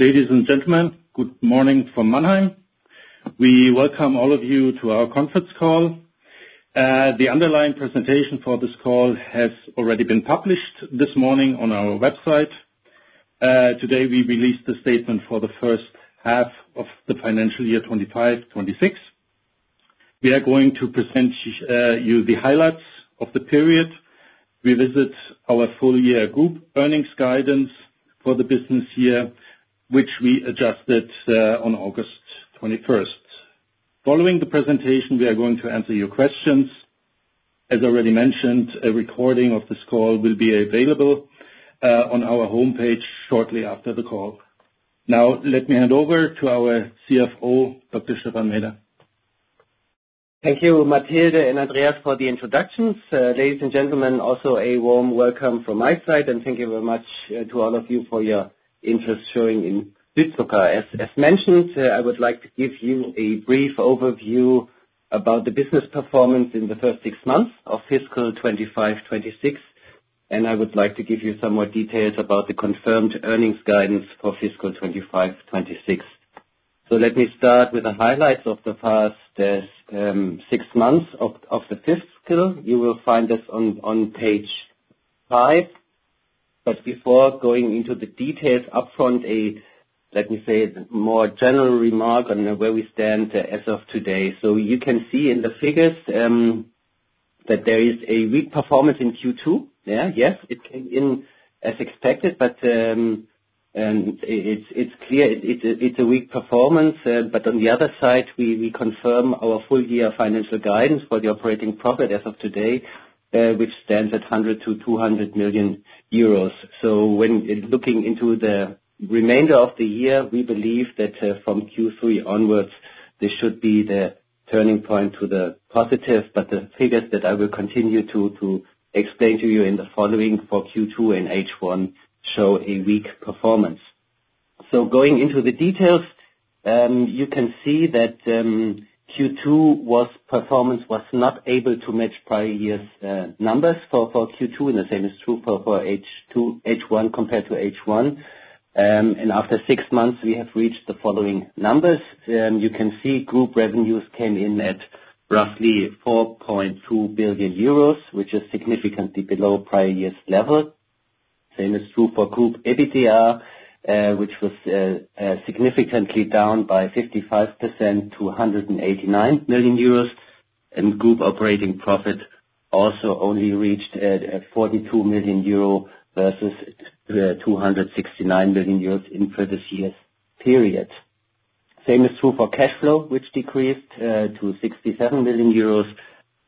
Ladies and gentlemen, good morning from Mannheim. We welcome all of you to our conference call. The underlying presentation for this call has already been published this morning on our website. Today, we released the statement for the first half of the financial year 2025/2026. We are going to present you the highlights of the period. We maintain our full-year group earnings guidance for the business year, which we adjusted on August 21st. Following the presentation, we are going to answer your questions. As already mentioned, a recording of this call will be available on our homepage shortly after the call. Now, let me hand over to our CFO, Dr. Stephan Meeder. Thank you, Mathilde and Andreas, for the introductions. Ladies and gentlemen, also a warm welcome from my side, and thank you very much to all of you for your interest showing in Südzucker. As mentioned, I would like to give you a brief overview about the business performance in the first six months of fiscal 2025/26, and I would like to give you some more details about the confirmed earnings guidance for fiscal 2025/26. So let me start with the highlights of the past six months of the fiscal. You will find this on page five. But before going into the details upfront, let me say a more general remark on where we stand as of today. So you can see in the figures that there is a weak performance in Q2. Yes, it came in as expected, but it's clear it's a weak performance. But on the other side, we confirm our full-year financial guidance for the operating profit as of today, which stands at 100-200 million euros. So when looking into the remainder of the year, we believe that from Q3 onwards, this should be the turning point to the positive. But the figures that I will continue to explain to you in the following for Q2 and H1 show a weak performance. So going into the details, you can see that Q2 performance was not able to match prior year's numbers for Q2, and the same is true for H1 compared to H1. And after six months, we have reached the following numbers. You can see group revenues came in at roughly 4.2 billion euros, which is significantly below prior year's level. Same is true for group EBITDA, which was significantly down by 55% to 189 million euros. And group operating profit also only reached 42 million euro versus 269 million euros in previous year's period. Same is true for cash flow, which decreased to 67 million euros.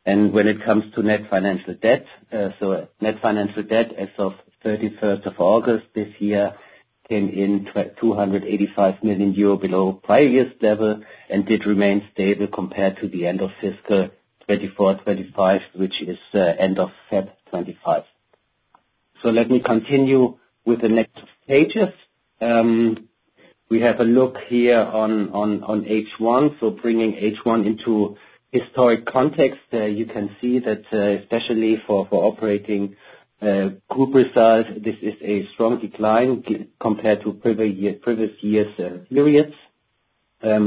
And when it comes to net financial debt, so net financial debt as of 31st of August this year came in 285 million euro below prior year's level and did remain stable compared to the end of fiscal 2024/25, which is end of February 2025. So let me continue with the next pages. We have a look here on H1, so bringing H1 into historic context. You can see that especially for operating group result, this is a strong decline compared to previous year's periods.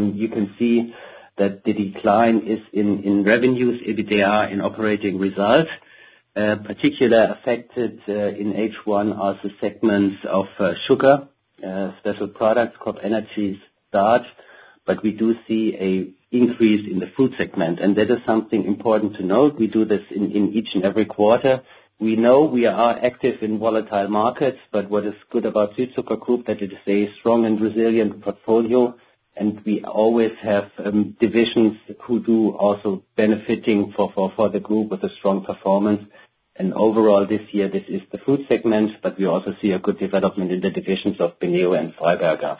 You can see that the decline is in revenues, EBITDA, and operating result. Particularly affected in H1 are the segments of sugar, Special Products, CropEnergies, starch. But we do see an increase in the Fruit segment, and that is something important to note. We do this in each and every quarter. We know we are active in volatile markets, but what is good about Südzucker Group is that it is a strong and resilient portfolio, and we always have divisions who do also benefit for the group with a strong performance. And overall, this year, this is the Fruit segment, but we also see a good development in the divisions of Beneo and Freiberger.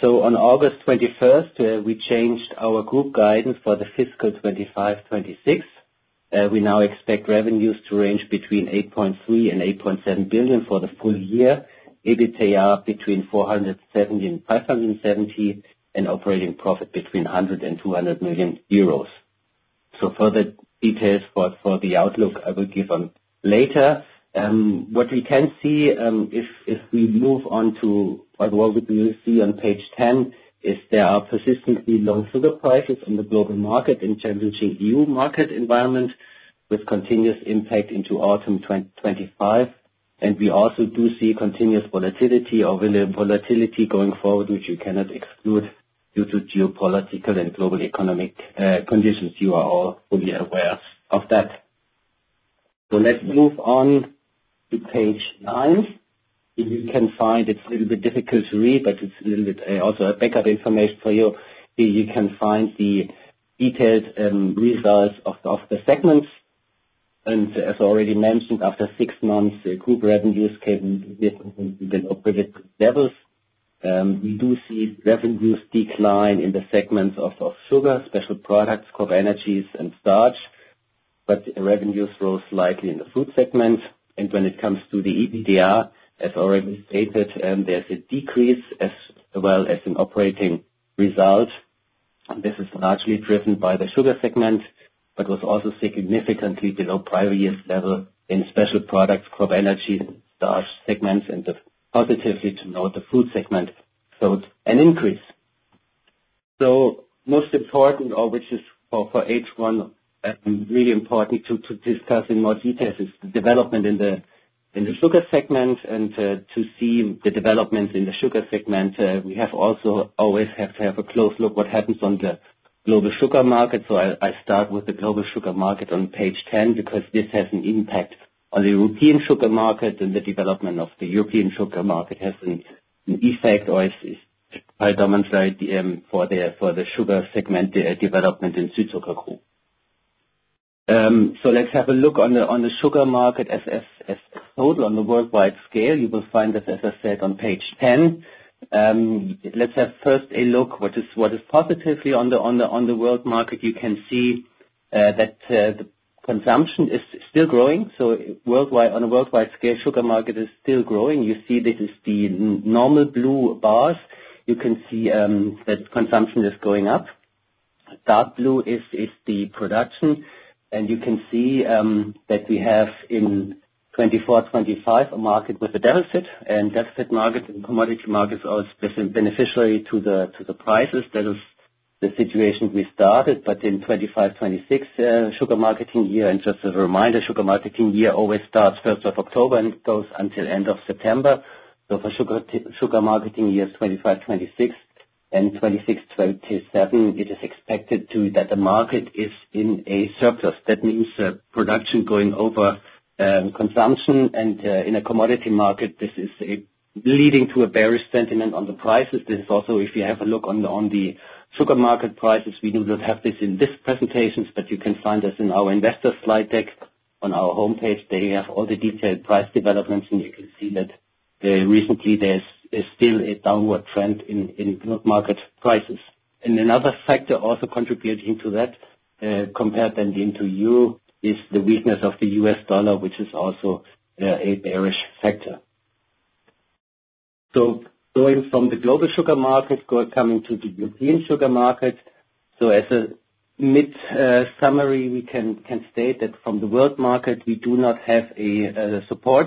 So on August 21st, we changed our group guidance for the fiscal 2025/26. We now expect revenues to range between 8.3 billion and 8.7 billion for the full year, EBITDA between 470 million and 570 million, and operating profit between 100 million and 200 million euros. So further details for the outlook, I will give on later. What we can see if we move on to what we see on page 10 is there are persistently low sugar prices in the global market in the EU market environment with continuous impact into autumn 2025. And we also do see continuous volatility or volatility going forward, which we cannot exclude due to geopolitical and global economic conditions. You are all fully aware of that. So let's move on to page 9. You can find it's a little bit difficult to read, but it's a little bit also a backup information for you. You can find the detailed results of the segments. And as already mentioned, after six months, group revenues came in below previous levels. We do see revenues decline in the segments of sugar, Special Products, CropEnergies, and starch, but revenues rose slightly in the food segment. When it comes to the EBITDA, as already stated, there's a decrease as well as in operating result. This is largely driven by the Sugar segment, but was also significantly below prior year's level in Special Products, CropEnergies, and Starch segments, and positively to note the food segment showed an increase. Most important, which is for H1 really important to discuss in more detail, is the development in the Sugar segment and to see the developments in the Sugar segment. We also always have to have a close look at what happens on the global sugar market. I start with the global sugar market on page 10 because this has an impact on the European sugar market, and the development of the European sugar market has an effect or is quite demonstrated for the Sugar segment development in Südzucker Group. So let's have a look on the sugar market as a total on the worldwide scale. You will find this, as I said, on page 10. Let's have first a look at what is positively on the world market. You can see that consumption is still growing. So on a worldwide scale, the sugar market is still growing. You see this is the normal blue bars. You can see that consumption is going up. Dark blue is the production. And you can see that we have in 2024/25 a market with a deficit, and deficit markets and commodity markets are beneficial to the prices. That is the situation we started. But in 2025/26 sugar marketing year, and just as a reminder, sugar marketing year always starts 1st of October and goes until end of September. So for sugar marketing years 2025/26 and 2026/27, it is expected that the market is in a surplus. That means production going over consumption. And in a commodity market, this is leading to a bearish sentiment on the prices. This is also, if you have a look on the sugar market prices. We do not have this in this presentation, but you can find this in our investor slide deck on our homepage. They have all the detailed price developments, and you can see that recently there's still a downward trend in market prices. And another factor also contributing to that compared then to you is the weakness of the U.S. dollar, which is also a bearish factor. So going from the global sugar market, coming to the European sugar market. So as a mid-summary, we can state that from the world market, we do not have a support.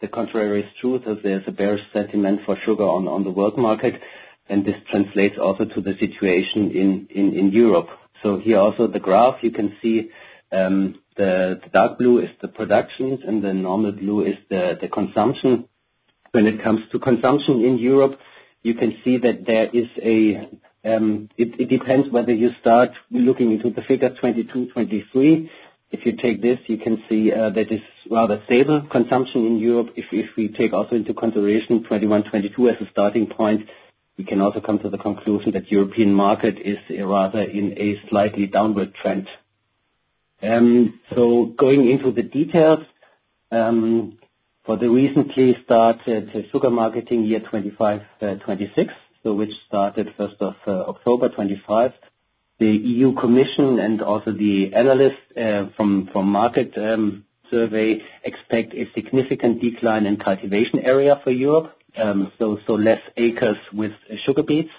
The contrary is true, so there's a bearish sentiment for sugar on the world market, and this translates also to the situation in Europe, so here also the graph, you can see the dark blue is the productions and the normal blue is the consumption. When it comes to consumption in Europe, you can see that there is. It depends whether you start looking into the figure 2022/2023. If you take this, you can see that it's rather stable consumption in Europe. If we take also into consideration 2021/2022 as a starting point, we can also come to the conclusion that the European market is rather in a slightly downward trend. So going into the details, for the recently started sugar marketing year 2025/26, which started 1st of October 2025, the European Commission and also the analysts from market survey expect a significant decline in cultivation area for Europe, so less acres with sugar beets.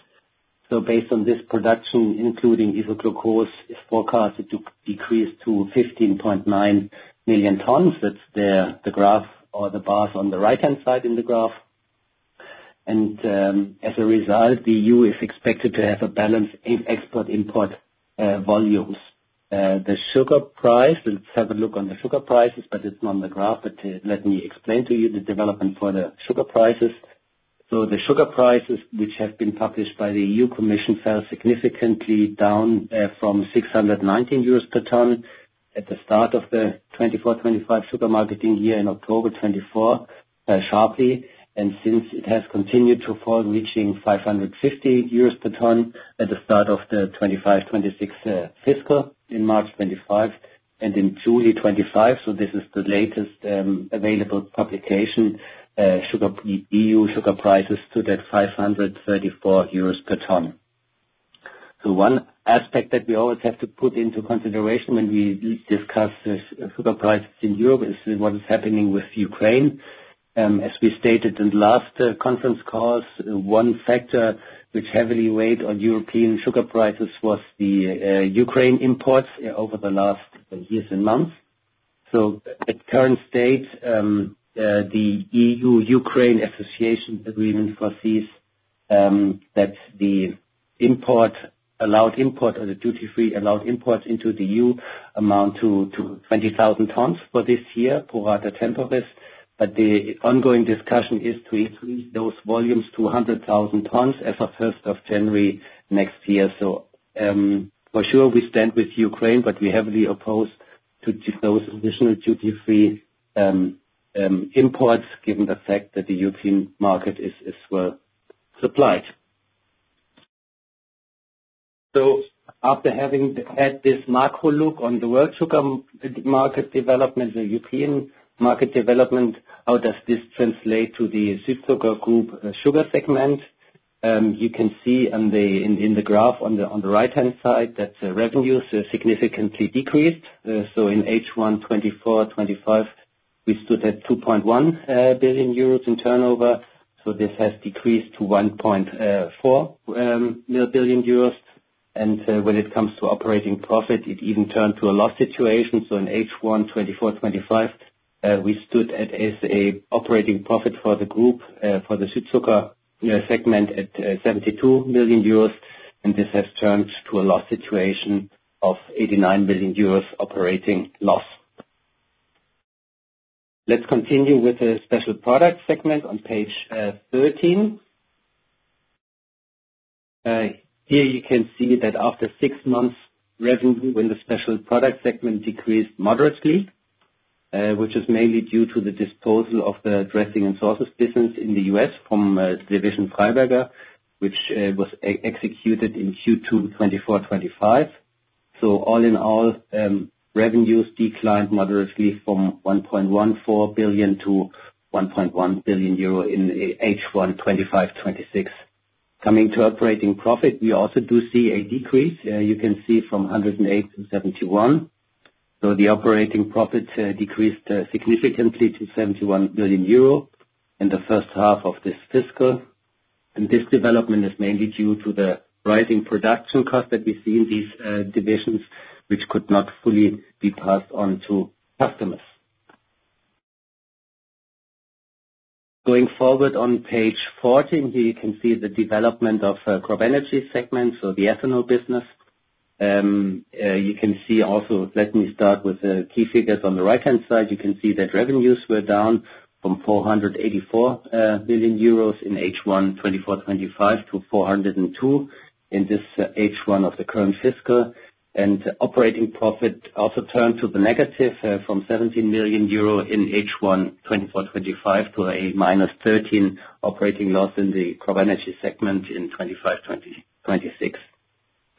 So based on this production, including isoglucose, is forecasted to decrease to 15.9 million tons. That's the graph or the bars on the right-hand side in the graph. And as a result, the EU is expected to have a balance in export-import volumes. The sugar price, let's have a look on the sugar prices, but it's not on the graph, but let me explain to you the development for the sugar prices. So the sugar prices, which have been published by the European Commission, fell significantly down from 619 euros per ton at the start of the 2024/25 sugar marketing year in October 2024 sharply. And since it has continued to fall, reaching 550 euros per ton at the start of the 2025/2026 fiscal in March 2025 and in July 2025. So this is the latest available publication, EU sugar prices to that 534 euros per ton. So one aspect that we always have to put into consideration when we discuss sugar prices in Europe is what is happening with Ukraine. As we stated in the last conference calls, one factor which heavily weighed on European sugar prices was the Ukraine imports over the last years and months. So at current state, the EU-Ukraine association agreement foresees that the allowed import or the duty-free allowed imports into the EU amount to 20,000 tons for this year, pro rata temporis. But the ongoing discussion is to increase those volumes to 100,000 tons as of 1st of January next year. So for sure, we stand with Ukraine, but we heavily oppose to those additional duty-free imports given the fact that the European market is well supplied, so after having had this macro look on the world sugar market development, the European market development, how does this translate to the Südzucker Group Sugar segment? You can see in the graph on the right-hand side that the revenues significantly decreased, so in H1 2024/2025, we stood at 2.1 billion euros in turnover. This has decreased to 1.4 billion euros, and when it comes to operating profit, it even turned to a loss situation, so in H1 2024/2025, we stood as an operating profit for the group, for the Südzucker segment at 72 million euros, and this has turned to a loss situation of 89 million euros operating loss. Let's continue with the special product segment on page 13. Here you can see that after six months, revenue in the special product segment decreased moderately, which is mainly due to the disposal of the dressing and sauces business in the U.S. from Division Freiberger, which was executed in Q2 2024/25, so all in all, revenues declined moderately from 1.14 billion to 1.1 billion euro in H1 2025/26. Coming to operating profit, we also do see a decrease. You can see from 108 to 71, so the operating profit decreased significantly to 71 million euro in the first half of this fiscal, and this development is mainly due to the rising production costs that we see in these divisions, which could not fully be passed on to customers. Going forward on page 14, here you can see the development of CropEnergies segment, so the ethanol business. You can see also, let me start with the key figures on the right-hand side. You can see that revenues were down from 484 million euros in H1 2024/25 to 402 in this H1 of the current fiscal. And operating profit also turned to the negative from 17 million euro in H1 2024/25 to a minus 13 operating loss in the CropEnergies segment in 2025/26.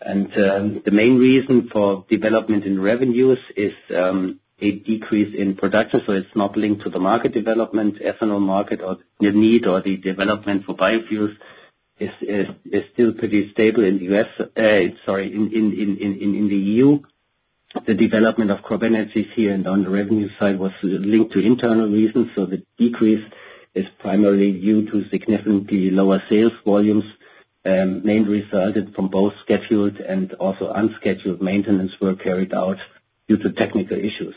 And the main reason for development in revenues is a decrease in production. So it's not linked to the market development, ethanol market, or the need, or the development for biofuels is still pretty stable in the US, sorry, in the EU. The development of CropEnergies here and on the revenue side was linked to internal reasons. So the decrease is primarily due to significantly lower sales volumes, mainly resulted from both scheduled and also unscheduled maintenance work carried out due to technical issues.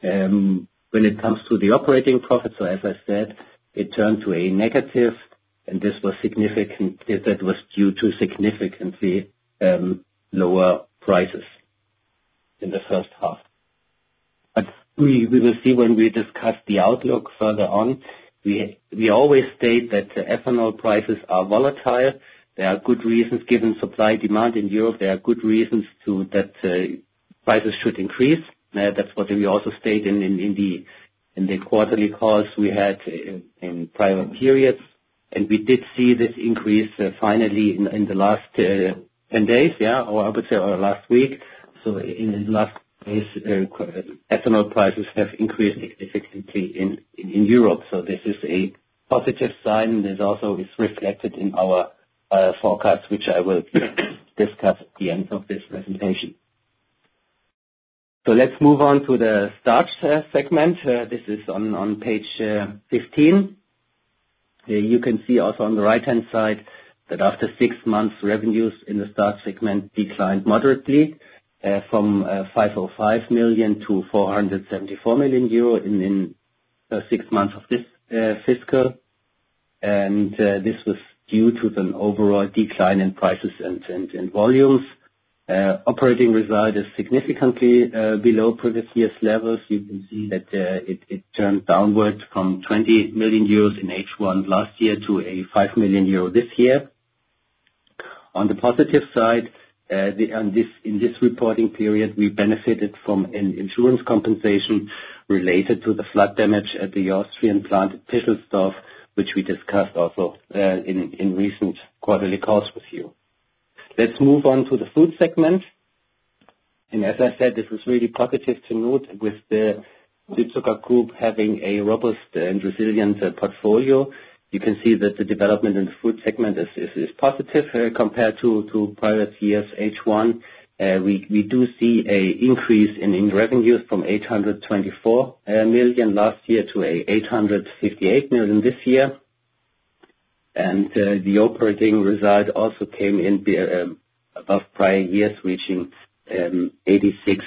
When it comes to the operating profit, so as I said, it turned to a negative, and this was significant. That was due to significantly lower prices in the first half, but we will see when we discuss the outlook further on. We always state that ethanol prices are volatile. There are good reasons given supply-demand in Europe. There are good reasons that prices should increase. That's what we also stated in the quarterly calls we had in prior periods and we did see this increase finally in the last 10 days, yeah, or I would say last week, so in the last days, ethanol prices have increased significantly in Europe, so this is a positive sign, and this also is reflected in our forecasts, which I will discuss at the end of this presentation, so let's move on to the Starch segment. This is on page 15. You can see also on the right-hand side that after six months, revenues in the Starch segment declined moderately from 505 million to 474 million euro in six months of this fiscal, and this was due to the overall decline in prices and volumes. Operating result is significantly below previous year's levels. You can see that it turned downward from 20 million euros in H1 last year to a 5 million euro this year. On the positive side, in this reporting period, we benefited from an insurance compensation related to the flood damage at the Austrian plant in Pischelsdorf, which we discussed also in recent quarterly calls with you. Let's move on to the food segment, and as I said, this is really positive to note with the Südzucker Group having a robust and resilient portfolio. You can see that the development in the food segment is positive compared to prior years, H1. We do see an increase in revenues from 824 million last year to 858 million this year. And the operating result also came in above prior years, reaching 68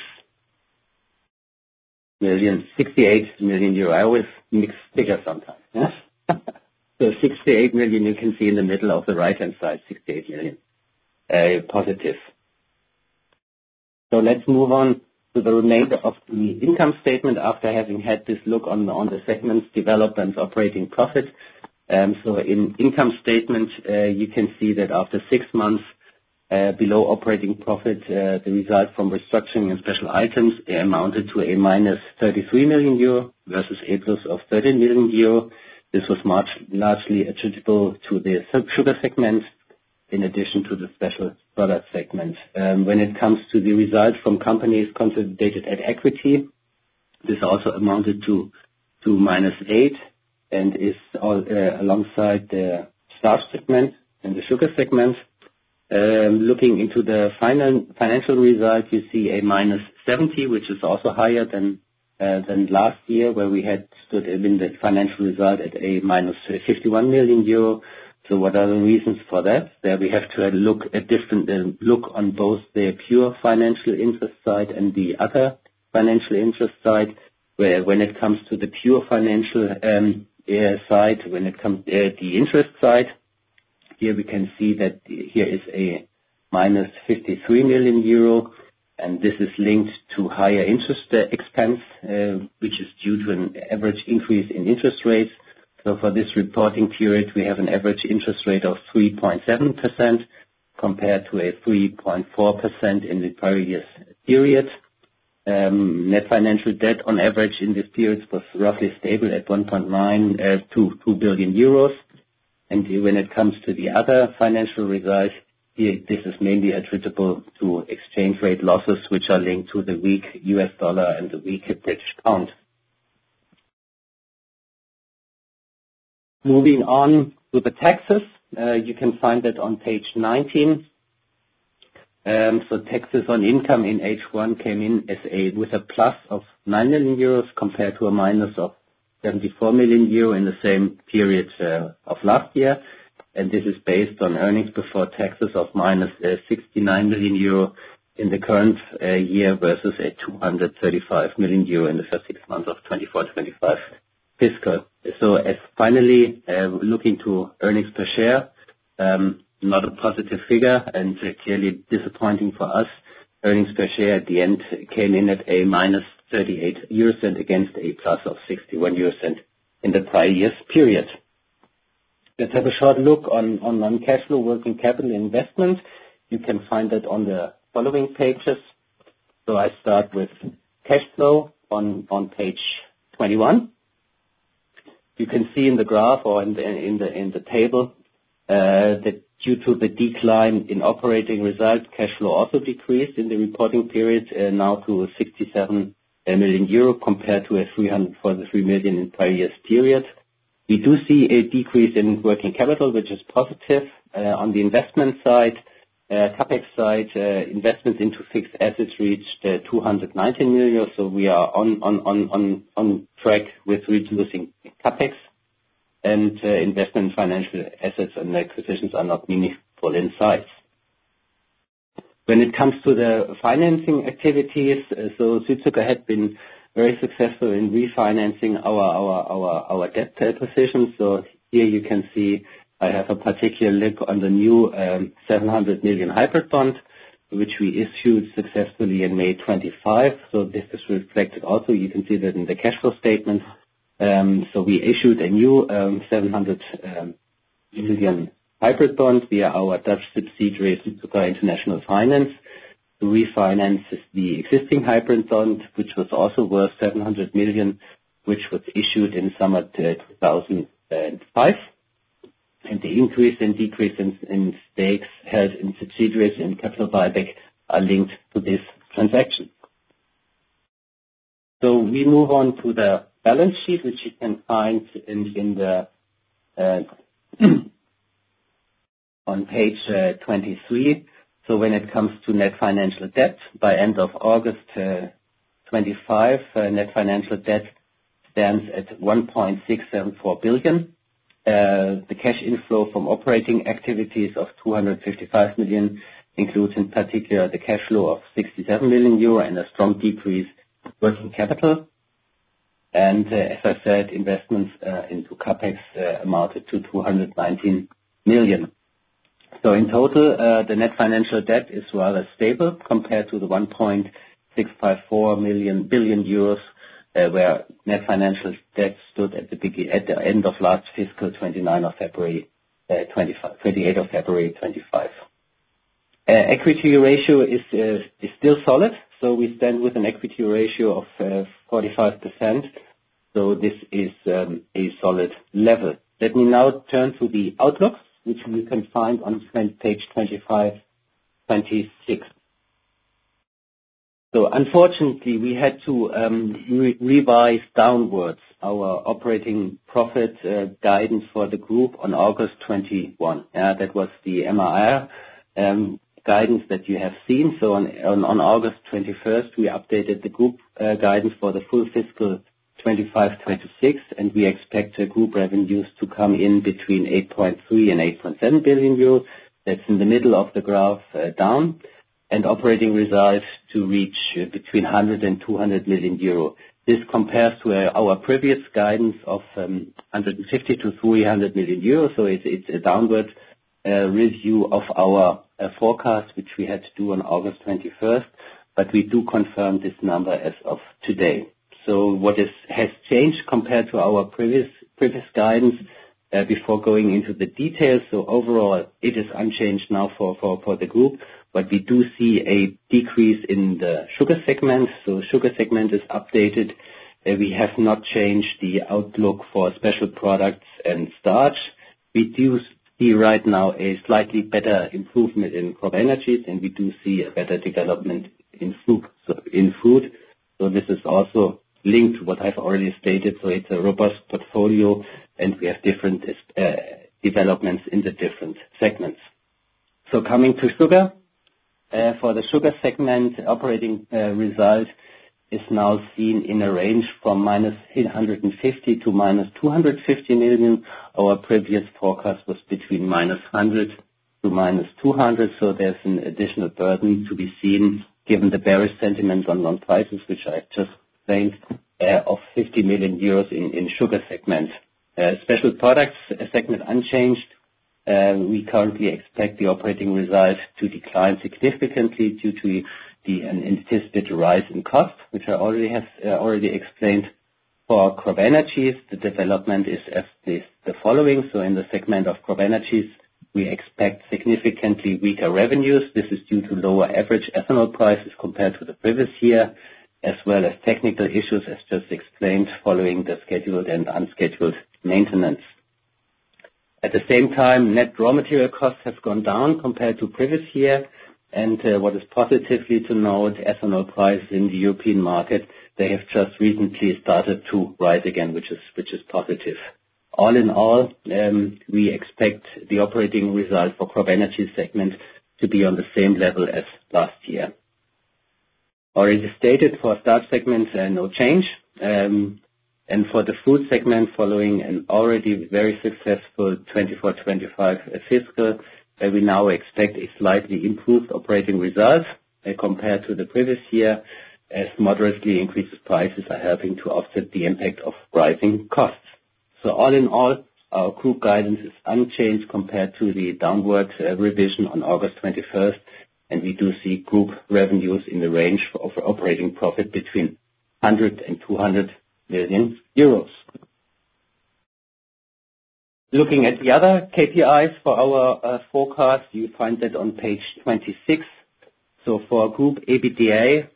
million euro. I always mix figures sometimes, yeah? So 68 million, you can see in the middle of the right-hand side, 68 million, positive. So let's move on to the remainder of the income statement after having had this look on the segments, development, operating profit. So in income statement, you can see that after six months, below operating profit, the result from restructuring and special items amounted to a minus 33 million euro versus a plus of 30 million euro. This was largely attributable to the Sugar segment in addition to the special product segment. When it comes to the result from companies consolidated at equity, this also amounted to minus 8 and is alongside the Starch segment and the Sugar segment. Looking into the final financial result, you see a minus 70, which is also higher than last year where we had stood in the financial result at a minus 51 million euro. So what are the reasons for that? There we have to look at different look on both the pure financial interest side and the other financial interest side. When it comes to the pure financial side, when it comes to the interest side, here we can see that here is a minus 53 million euro, and this is linked to higher interest expense, which is due to an average increase in interest rates. So for this reporting period, we have an average interest rate of 3.7% compared to a 3.4% in the prior year's period. Net financial debt on average in this period was roughly stable at 1.9 billion-2 billion euros. And when it comes to the other financial results, this is mainly attributable to exchange rate losses, which are linked to the weak US dollar and the weak British pound. Moving on to the taxes, you can find that on page 19. So taxes on income in H1 came in with a plus of 9 million euros compared to a minus of 74 million euro in the same period of last year. And this is based on earnings before taxes of minus 69 million euro in the current year versus a 235 million euro in the first six months of 2024/25 fiscal. So finally, looking to earnings per share, not a positive figure and clearly disappointing for us. Earnings per share at the end came in at −0.38 against +0.61 in the prior year's period. Let's have a short look on cash flow, working capital investment. You can find that on the following pages. So I start with cash flow on page 21. You can see in the graph or in the table that due to the decline in operating result, cash flow also decreased in the reporting period now to 67 million euro compared to 343 million in prior year's period. We do see a decrease in working capital, which is positive. On the investment side, CapEx side, investment into fixed assets reached 219 million. So we are on track with reducing CapEx. Investment in financial assets and acquisitions are not meaningful in size. When it comes to the financing activities, so Südzucker had been very successful in refinancing our debt position. Here you can see I have a particular link on the new 700 million hybrid bond, which we issued successfully in May 2025. This is reflected also. You can see that in the cash flow statement. We issued a new 700 million hybrid bond via our Dutch subsidiary, Südzucker International Finance. We financed the existing hybrid bond, which was also worth 700 million, which was issued in summer 2005. The increase and decrease in stakes held in subsidiaries and capital buyback are linked to this transaction. We move on to the balance sheet, which you can find on page 23. So when it comes to net financial debt, by end of August 2025, net financial debt stands at 1.674 billion. The cash inflow from operating activities of 255 million includes in particular the cash flow of 67 million euro and a strong decrease in working capital. And as I said, investments into CapEx amounted to 219 million. So in total, the net financial debt is rather stable compared to the 1.654 billion euros where net financial debt stood at the end of last fiscal 29 of February, 28 February 2025. Equity ratio is still solid. So we stand with an equity ratio of 45%. So this is a solid level. Let me now turn to the outlook, which you can find on page 25-26. So unfortunately, we had to revise downwards our operating profit guidance for the group on August 21. That was the MIR guidance that you have seen. So on August 21st, we updated the group guidance for the full fiscal 2025 or 2026, and we expect the group revenues to come in between 8.3 billion and 8.7 billion euros. That's in the middle of the graph down. And operating result to reach between 100 million and 200 million euro. This compares to our previous guidance of 150-300 million euro. So it's a downward review of our forecast, which we had to do on August 21st. But we do confirm this number as of today. So what has changed compared to our previous guidance before going into the details? So overall, it is unchanged now for the group. But we do see a decrease in the Sugar segment. So the Sugar segment is updated. We have not changed the outlook for Special Products and starch. We do see right now a slightly better improvement in CropEnergies, and we do see a better development in food. So this is also linked to what I've already stated. So it's a robust portfolio, and we have different developments in the different segments. So coming to sugar, for the Sugar segment, operating result is now seen in a range from minus 150 million to minus 250 million. Our previous forecast was between minus 100 to minus 200. So there's an additional burden to be seen given the bearish sentiment on non-prices, which I've just explained, of 50 million euros in Sugar segment. Special products segment unchanged. We currently expect the operating result to decline significantly due to the anticipated rise in cost, which I already explained. For CropEnergies, the development is as the following. So in the segment of CropEnergies, we expect significantly weaker revenues. This is due to lower average ethanol prices compared to the previous year, as well as technical issues, as just explained, following the scheduled and unscheduled maintenance. At the same time, net raw material costs have gone down compared to previous year. And what is positively to note, ethanol prices in the European market, they have just recently started to rise again, which is positive. All in all, we expect the operating result for CropEnergies segment to be on the same level as last year. Already stated for Starch segment, no change. And for the food segment, following an already very successful 2024/25 fiscal, we now expect a slightly improved operating result compared to the previous year, as moderately increased prices are helping to offset the impact of rising costs. So all in all, our group guidance is unchanged compared to the downward revision on August 21st. And we do see group revenues in the range of operating profit between 100 million and 200 million euros. Looking at the other KPIs for our forecast, you find that on page 26. So for group EBITDA,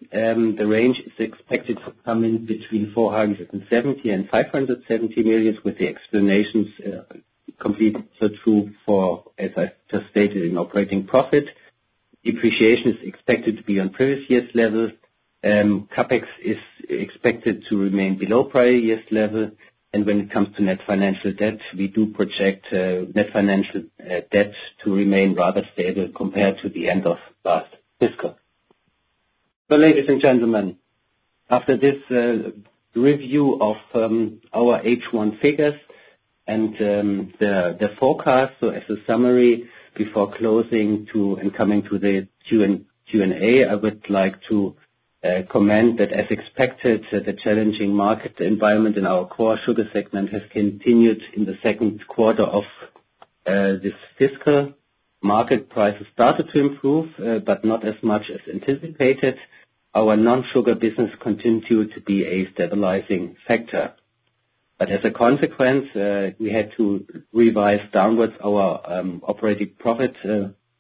the range is expected to come in between 470 million and 570 million, with the explanations completely true for, as I just stated, in operating profit. Depreciation is expected to be on previous year's levels. CapEx is expected to remain below prior year's level. And when it comes to Net Financial Debt, we do project Net Financial Debt to remain rather stable compared to the end of last fiscal. So ladies and gentlemen, after this review of our H1 figures and the forecast, so as a summary before closing and coming to the Q&A, I would like to comment that, as expected, the challenging market environment in our core Sugar segment has continued in the second quarter of this fiscal. Market prices started to improve, but not as much as anticipated. Our non-sugar business continued to be a stabilizing factor. But as a consequence, we had to revise downwards our operating profit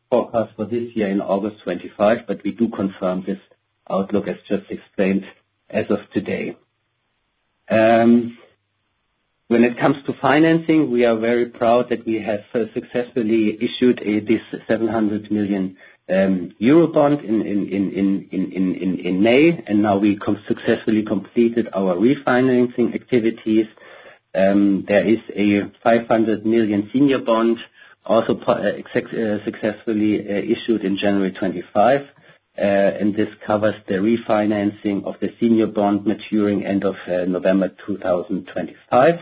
forecast for this year in August 2025, but we do confirm this outlook, as just explained, as of today. When it comes to financing, we are very proud that we have successfully issued this 700 million euro bond in May, and now we successfully completed our refinancing activities. There is a 500 million senior bond, also successfully issued in January 2025. And this covers the refinancing of the senior bond maturing end of November 2025.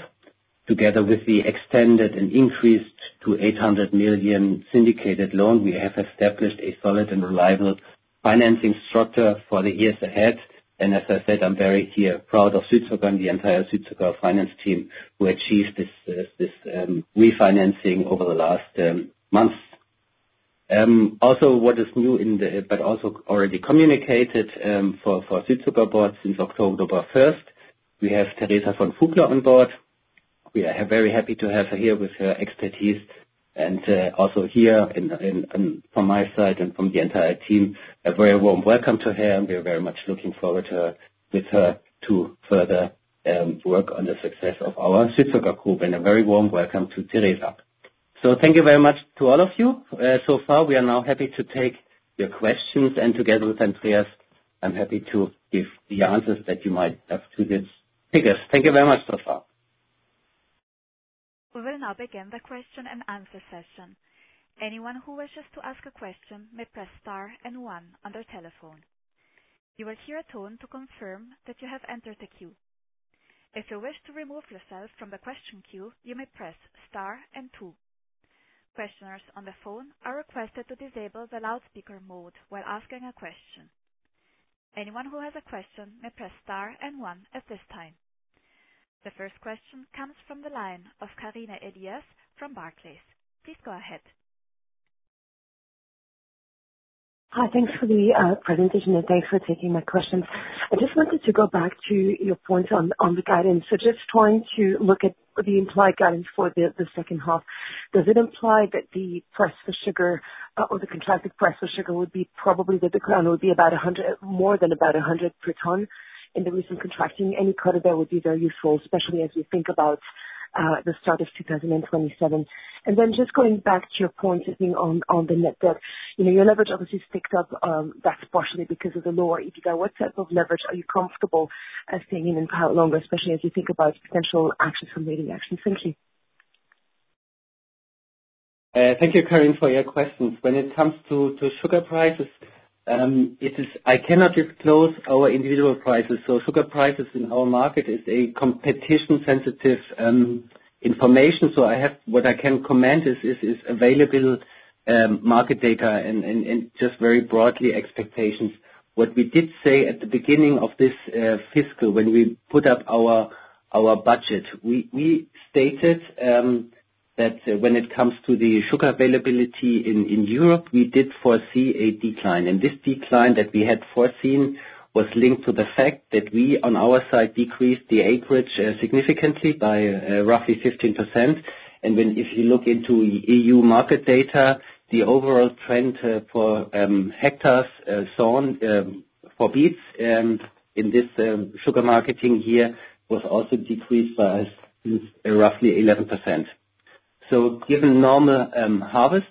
Together with the extended and increased to 800 million syndicated loan, we have established a solid and reliable financing structure for the years ahead. And as I said, I'm very proud of Südzucker and the entire Südzucker finance team who achieved this refinancing over the last months. Also, what is new, but also already communicated for Südzucker board since October 1st, we have Theresa von Fugler on board. We are very happy to have her here with her expertise. And also here, from my side and from the entire team, a very warm welcome to her. We are very much looking forward to her with her to further work on the success of our Südzucker Group. And a very warm welcome to Theresa. So thank you very much to all of you. So far, we are now happy to take your questions. And together with Andreas, I'm happy to give the answers that you might have to these figures. Thank you very much so far. We will now begin the question and answer session. Anyone who wishes to ask a question may press star and one on their telephone. You will hear a tone to confirm that you have entered the queue. If you wish to remove yourself from the question queue, you may press star and two. Questioners on the phone are requested to disable the loudspeaker mode while asking a question. Anyone who has a question may press star and one at this time. The first question comes from the line of Karine Elias from Barclays. Please go ahead. Hi, thanks for the presentation, and thanks for taking my questions. I just wanted to go back to your point on the guidance. So just trying to look at the implied guidance for the second half. Does it imply that the price for sugar or the contracted price for sugar would be probably that the crown would be about more than about 100 per ton? In the recent contracting, any cut of that would be very useful, especially as we think about the start of 2027. And then just going back to your point on the net debt, your leverage obviously is picked up, that's partially because of the lower EBITDA. What type of leverage are you comfortable staying in and how long, especially as you think about potential actions from the reaction? Thank you. Thank you, Karine, for your questions. When it comes to sugar prices, I cannot disclose our individual prices. So sugar prices in our market is competition-sensitive information. So what I can comment is available market data and just very broadly expectations. What we did say at the beginning of this fiscal, when we put up our budget, we stated that when it comes to the sugar availability in Europe, we did foresee a decline. And this decline that we had foreseen was linked to the fact that we, on our side, decreased the acreage significantly by roughly 15%. And if you look into EU market data, the overall trend for hectares for beets in this sugar marketing year was also decreased by roughly 11%. So given normal harvest,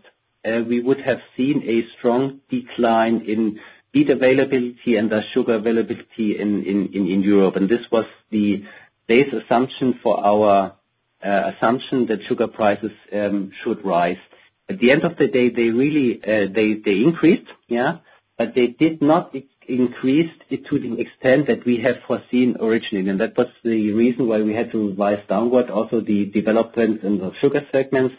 we would have seen a strong decline in beet availability and the sugar availability in Europe. And this was the base assumption for our assumption that sugar prices should rise. At the end of the day, they increased, yeah, but they did not increase to the extent that we have foreseen originally. And that was the reason why we had to revise downward also the development in the Sugar segments.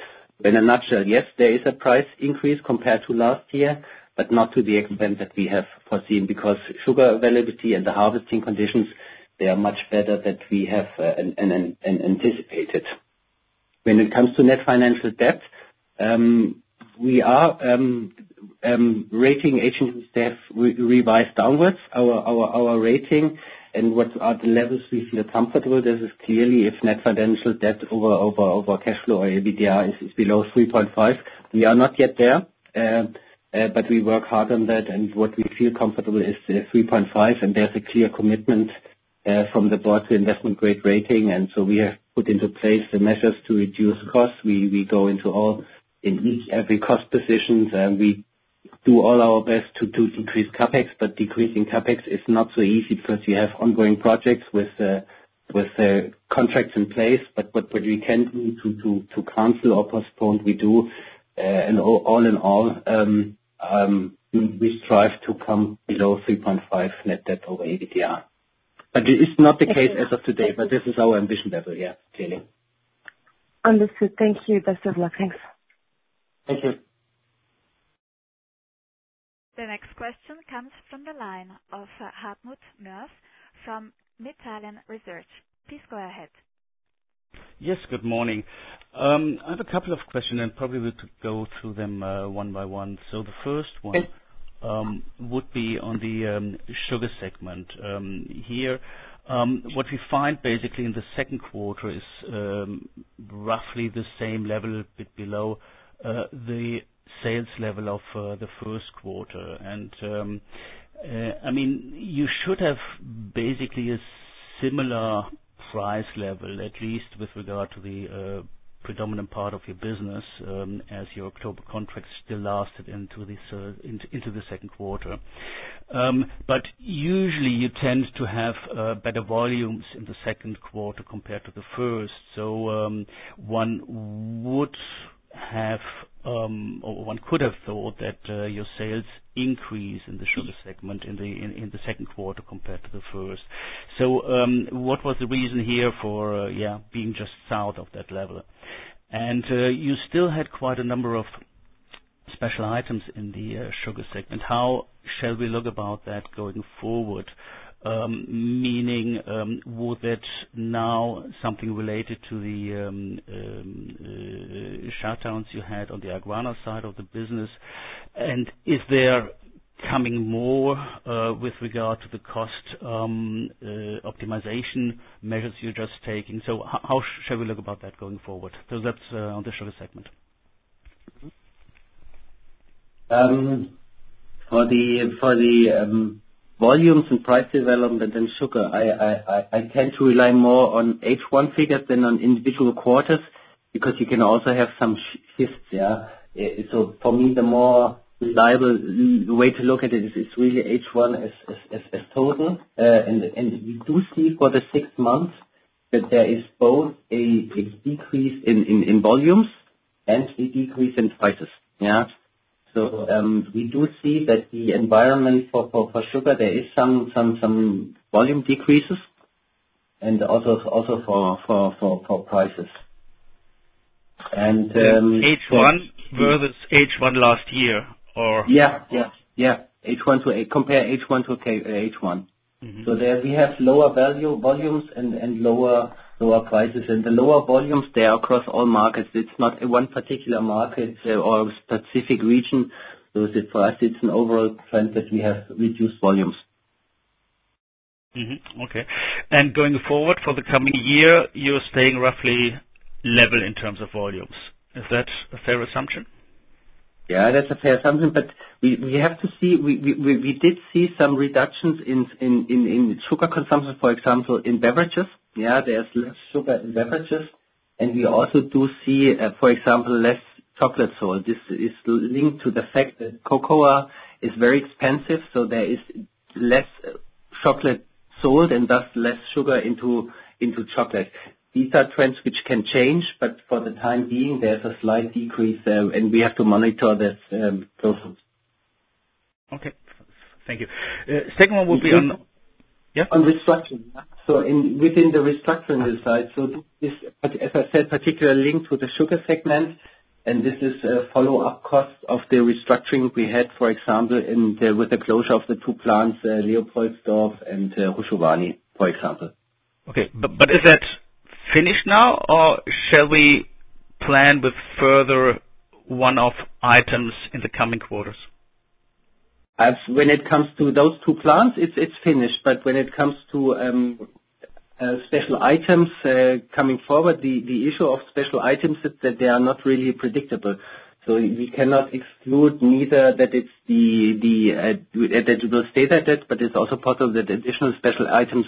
In a nutshell, yes, there is a price increase compared to last year, but not to the extent that we have foreseen because sugar availability and the harvesting conditions, they are much better than we have anticipated. When it comes to net financial debt, we are rating H&M staff, we revise downwards our rating. And what are the levels we feel comfortable? This is clearly if net financial debt over cash flow or EBITDA is below 3.5. We are not yet there, but we work hard on that. And what we feel comfortable is 3.5. And there's a clear commitment from the board to investment-grade rating. And so we have put into place the measures to reduce costs. We go into all in each every cost positions. We do all our best to decrease CapEx, but decreasing CapEx is not so easy because you have ongoing projects with contracts in place. But what we can do to cancel or postpone, we do. And all in all, we strive to come below 3.5 net debt over EBITDA. But it's not the case as of today, but this is our ambition level, yeah, clearly. Understood. Thank you, Dr. Thanks. Thank you. The next question comes from the line of Hartmut Moers from Matelan Research. Please go ahead. Yes, good morning. I have a couple of questions, and probably we could go through them one by one. So the first one would be on the Sugar segment here. What we find basically in the second quarter is roughly the same level, a bit below the sales level of the first quarter. And I mean, you should have basically a similar price level, at least with regard to the predominant part of your business, as your October contracts still lasted into the second quarter. But usually, you tend to have better volumes in the second quarter compared to the first. So one would have or one could have thought that your sales increase in the Sugar segment in the second quarter compared to the first. So what was the reason here for, yeah, being just south of that level? And you still had quite a number of special items in the Sugar segment. How shall we look about that going forward? Meaning, would that now something related to the shutdowns you had on the AGRANA side of the business? And is there coming more with regard to the cost optimization measures you're just taking? So how shall we look about that going forward? So that's on the Sugar segment. For the volumes and price development in sugar, I tend to rely more on H1 figures than on individual quarters because you can also have some shifts, yeah. So for me, the more reliable way to look at it is really H1 as total. And we do see for the six months that there is both a decrease in volumes and a decrease in prices, yeah. So we do see that the environment for sugar. There is some volume decreases and also for prices. H1 versus H1 last year or? Yeah, yeah, yeah. Compare H1 to H1. So there we have lower volumes and lower prices. And the lower volumes, they are across all markets. It's not one particular market or specific region. So for us, it's an overall trend that we have reduced volumes. Okay. And going forward for the coming year, you're staying roughly level in terms of volumes. Is that a fair assumption? Yeah, that's a fair assumption. But we have to see, we did see some reductions in sugar consumption, for example, in beverages. Yeah, there's less sugar in beverages. And we also do see, for example, less chocolate sold. This is linked to the fact that cocoa is very expensive. So there is less chocolate sold and thus less sugar into chocolate. These are trends which can change, but for the time being, there's a slight decrease there, and we have to monitor those things. Okay. Thank you. Second one would be on, on restructuring. So within the restructuring side, so as I said, particular link to the Sugar segment. And this is a follow-up cost of the restructuring we had, for example, with the closure of the two plants, Leopoldsdorf and Hrušovany, for example. Okay. But is that finished now, or shall we plan with further one-off items in the coming quarters? When it comes to those two plants, it's finished. But when it comes to special items coming forward, the issue of special items is that they are not really predictable. So we cannot exclude neither that it's that you will state that, but it's also possible that additional special items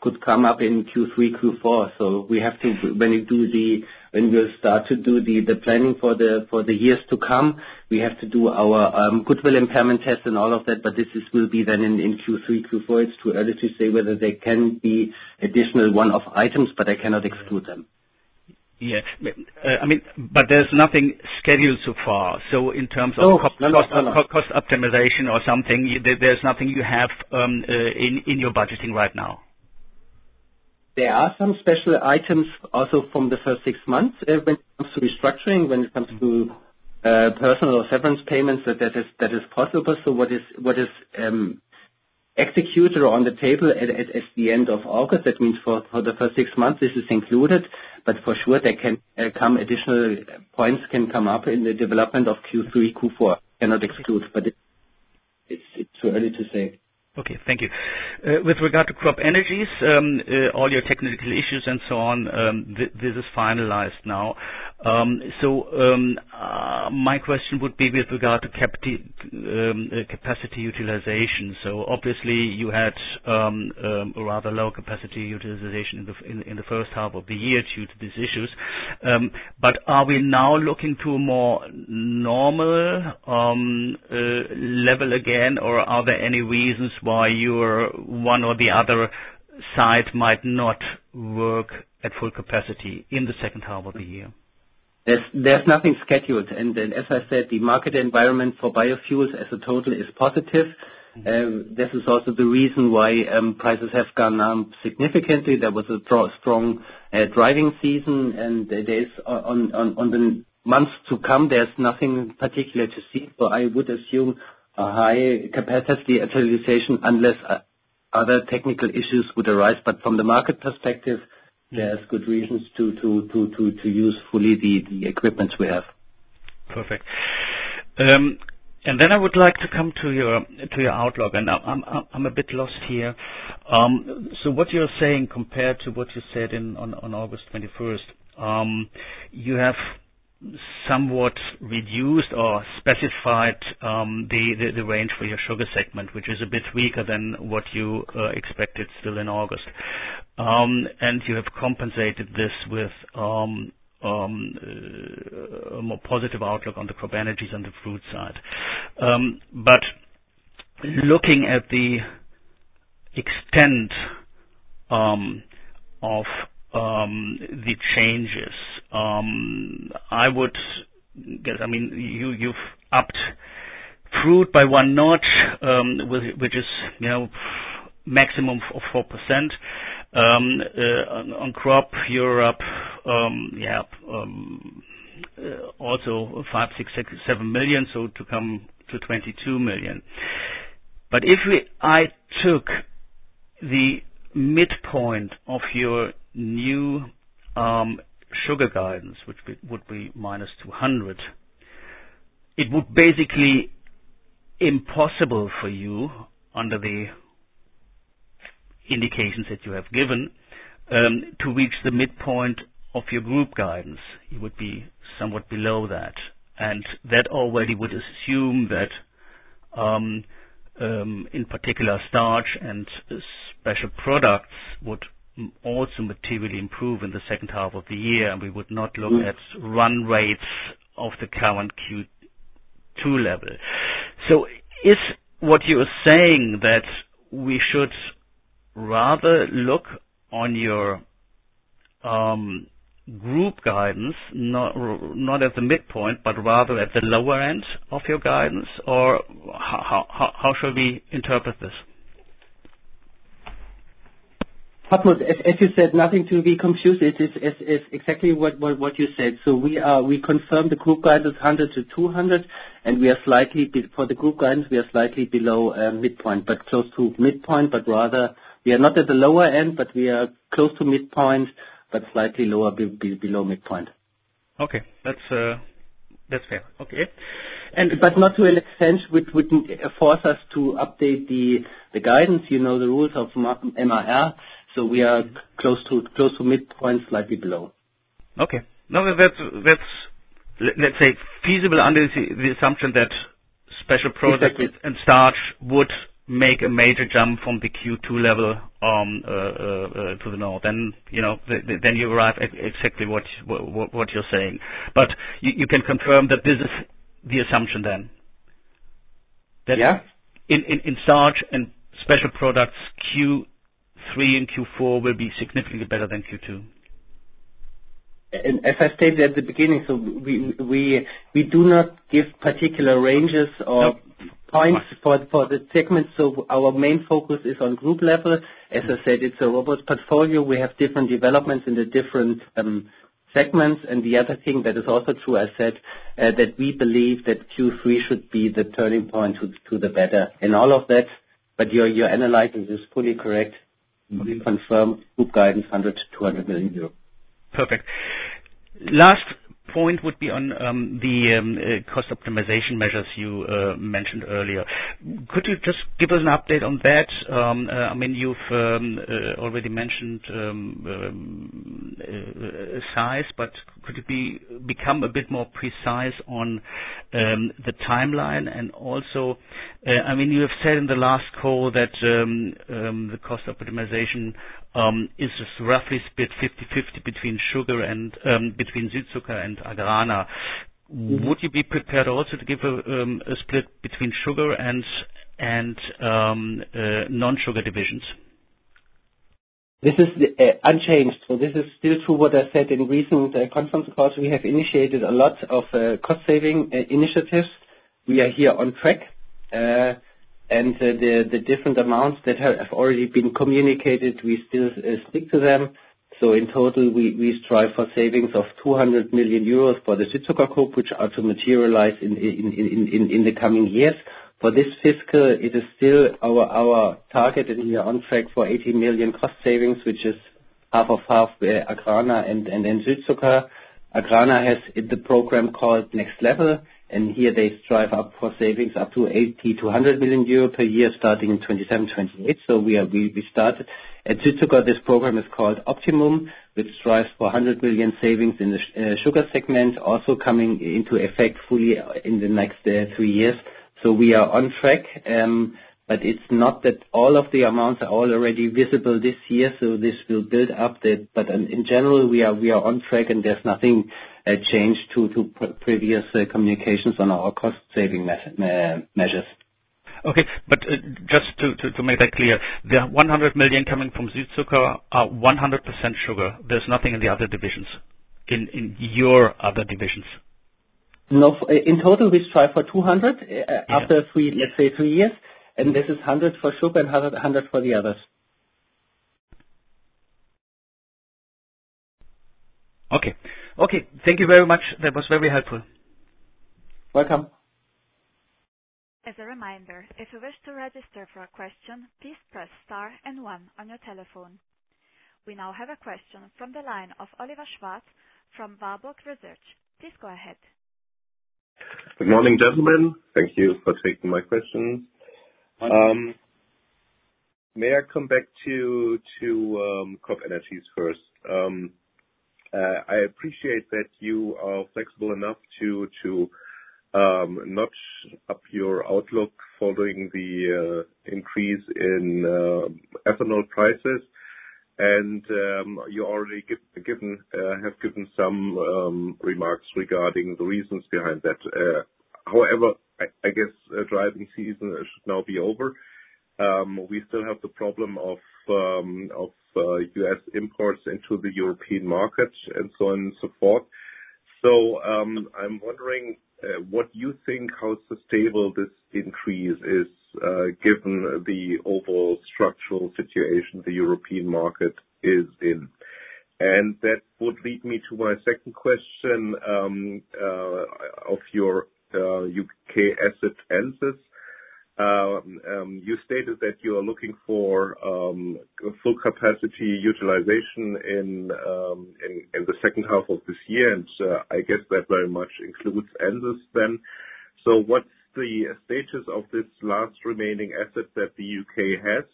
could come up in Q3, Q4. So we have to, when we start to do the planning for the years to come, we have to do our goodwill impairment test and all of that. But this will be then in Q3, Q4. It's too early to say whether there can be additional one-off items, but I cannot exclude them. Yeah. I mean, but there's nothing scheduled so far. So in terms of cost optimization or something, there's nothing you have in your budgeting right now? There are some special items also from the first six months when it comes to restructuring, when it comes to personnel severance payments that is possible. So what is executed or on the table at the end of August, that means for the first six months, this is included. But for sure, there can come additional points can come up in the development of Q3, Q4. Cannot exclude, but it's too early to say. Okay. Thank you. With regard to CropEnergies, all your technical issues and so on, this is finalized now. So my question would be with regard to capacity utilization. So obviously, you had a rather low capacity utilization in the first half of the year due to these issues. But are we now looking to a more normal level again, or are there any reasons why one or the other side might not work at full capacity in the second half of the year? There's nothing scheduled. And as I said, the market environment for biofuels as a total is positive. This is also the reason why prices have gone up significantly. There was a strong driving season, and on the months to come, there's nothing particular to see. So I would assume a high capacity utilization unless other technical issues would arise. But from the market perspective, there's good reasons to use fully the equipments we have. Perfect. And then I would like to come to your outlook. And I'm a bit lost here. So what you're saying compared to what you said on August 21st, you have somewhat reduced or specified the range for your Sugar segment, which is a bit weaker than what you expected still in August. And you have compensated this with a more positive outlook on the CropEnergies on the fruit side. But looking at the extent of the changes, I would guess. I mean, you've upped fruit by one notch, which is maximum of 4% on crop. You're up, yeah, also five, six, seven million, so to come to 22 million. But if I took the midpoint of your new sugar guidance, which would be minus 200, it would basically be impossible for you under the indications that you have given to reach the midpoint of your group guidance. You would be somewhat below that. And that already would assume that, in particular, starch and Special Products would also materially improve in the second half of the year. And we would not look at run rates of the current Q2 level. So is what you're saying that we should rather look on your group guidance, not at the midpoint, but rather at the lower end of your guidance? Or how shall we interpret this? As you said, nothing to be confused. It's exactly what you said. So we confirmed the group guidance 100-200, and we are slightly for the group guidance, we are slightly below midpoint, but close to midpoint. But rather, we are not at the lower end, but we are close to midpoint, but slightly lower below midpoint. Okay. That's fair. Okay. But not to an extent which would force us to update the guidance, the rules of MIR. So we are close to midpoint, slightly below. Okay. No, that's, let's say, feasible under the assumption that Special Products and starch would make a major jump from the Q2 level to the north. Then you arrive at exactly what you're saying. But you can confirm that this is the assumption then. That in starch and Special Products, Q3 and Q4 will be significantly better than Q2. As I stated at the beginning, so we do not give particular ranges or points for the segments. So our main focus is on group level. As I said, it's a robust portfolio. We have different developments in the different segments. And the other thing that is also true, I said, that we believe that Q3 should be the turning point to the better in all of that. But your analysis is fully correct. We confirm group guidance 100-200 million euros. Perfect. Last point would be on the cost optimization measures you mentioned earlier. Could you just give us an update on that? I mean, you've already mentioned Südzucker, but could you be a bit more precise on the timeline? And also, I mean, you have said in the last call that the cost optimization is roughly split 50/50 between sugar and between Südzucker and AGRANA. Would you be prepared also to give a split between sugar and non-sugar divisions? This is unchanged. So this is still true what I said in recent conference calls. We have initiated a lot of cost-saving initiatives. We are here on track. And the different amounts that have already been communicated, we still stick to them. So in total, we strive for savings of 200 million euros for the Südzucker Group, which are to materialize in the coming years. For this fiscal, it is still our target, and we are on track for 80 million cost savings, which is half of half AGRANA and then Südzucker. AGRANA has the program called Next Level, and here, they strive up for savings up to 80-100 million euro per year starting in 2027, 2028, so we started at Südzucker. This program is called Optimum, which strives for 100 million savings in the Sugar segment, also coming into effect fully in the next three years, so we are on track, but it's not that all of the amounts are already visible this year, so this will build up, but in general, we are on track, and there's nothing changed to previous communications on our cost-saving measures. Okay, but just to make that clear, the 100 million coming from Südzucker are 100% sugar. There's nothing in the other divisions, in your other divisions. No. In total, we strive for 200 after, let's say, three years. And this is 100 for sugar and 100 for the others. Okay. Okay. Thank you very much. That was very helpful. Welcome. As a reminder, if you wish to register for a question, please press star and one on your telephone. We now have a question from the line of Oliver Schwarz from Warburg Research. Please go ahead. Good morning, gentlemen. Thank you for taking my question. May I come back to CropEnergies first? I appreciate that you are flexible enough to notch up your outlook following the increase in ethanol prices. And you already have given some remarks regarding the reasons behind that. However, I guess driving season should now be over. We still have the problem of U.S. imports into the European market and so on and so forth. So I'm wondering what you think, how sustainable this increase is given the overall structural situation the European market is in. And that would lead me to my second question of your U.K. asset Ensus. You stated that you are looking for full capacity utilization in the second half of this year. And I guess that very much includes Ensus then. So what's the status of this last remaining asset that the U.K. has?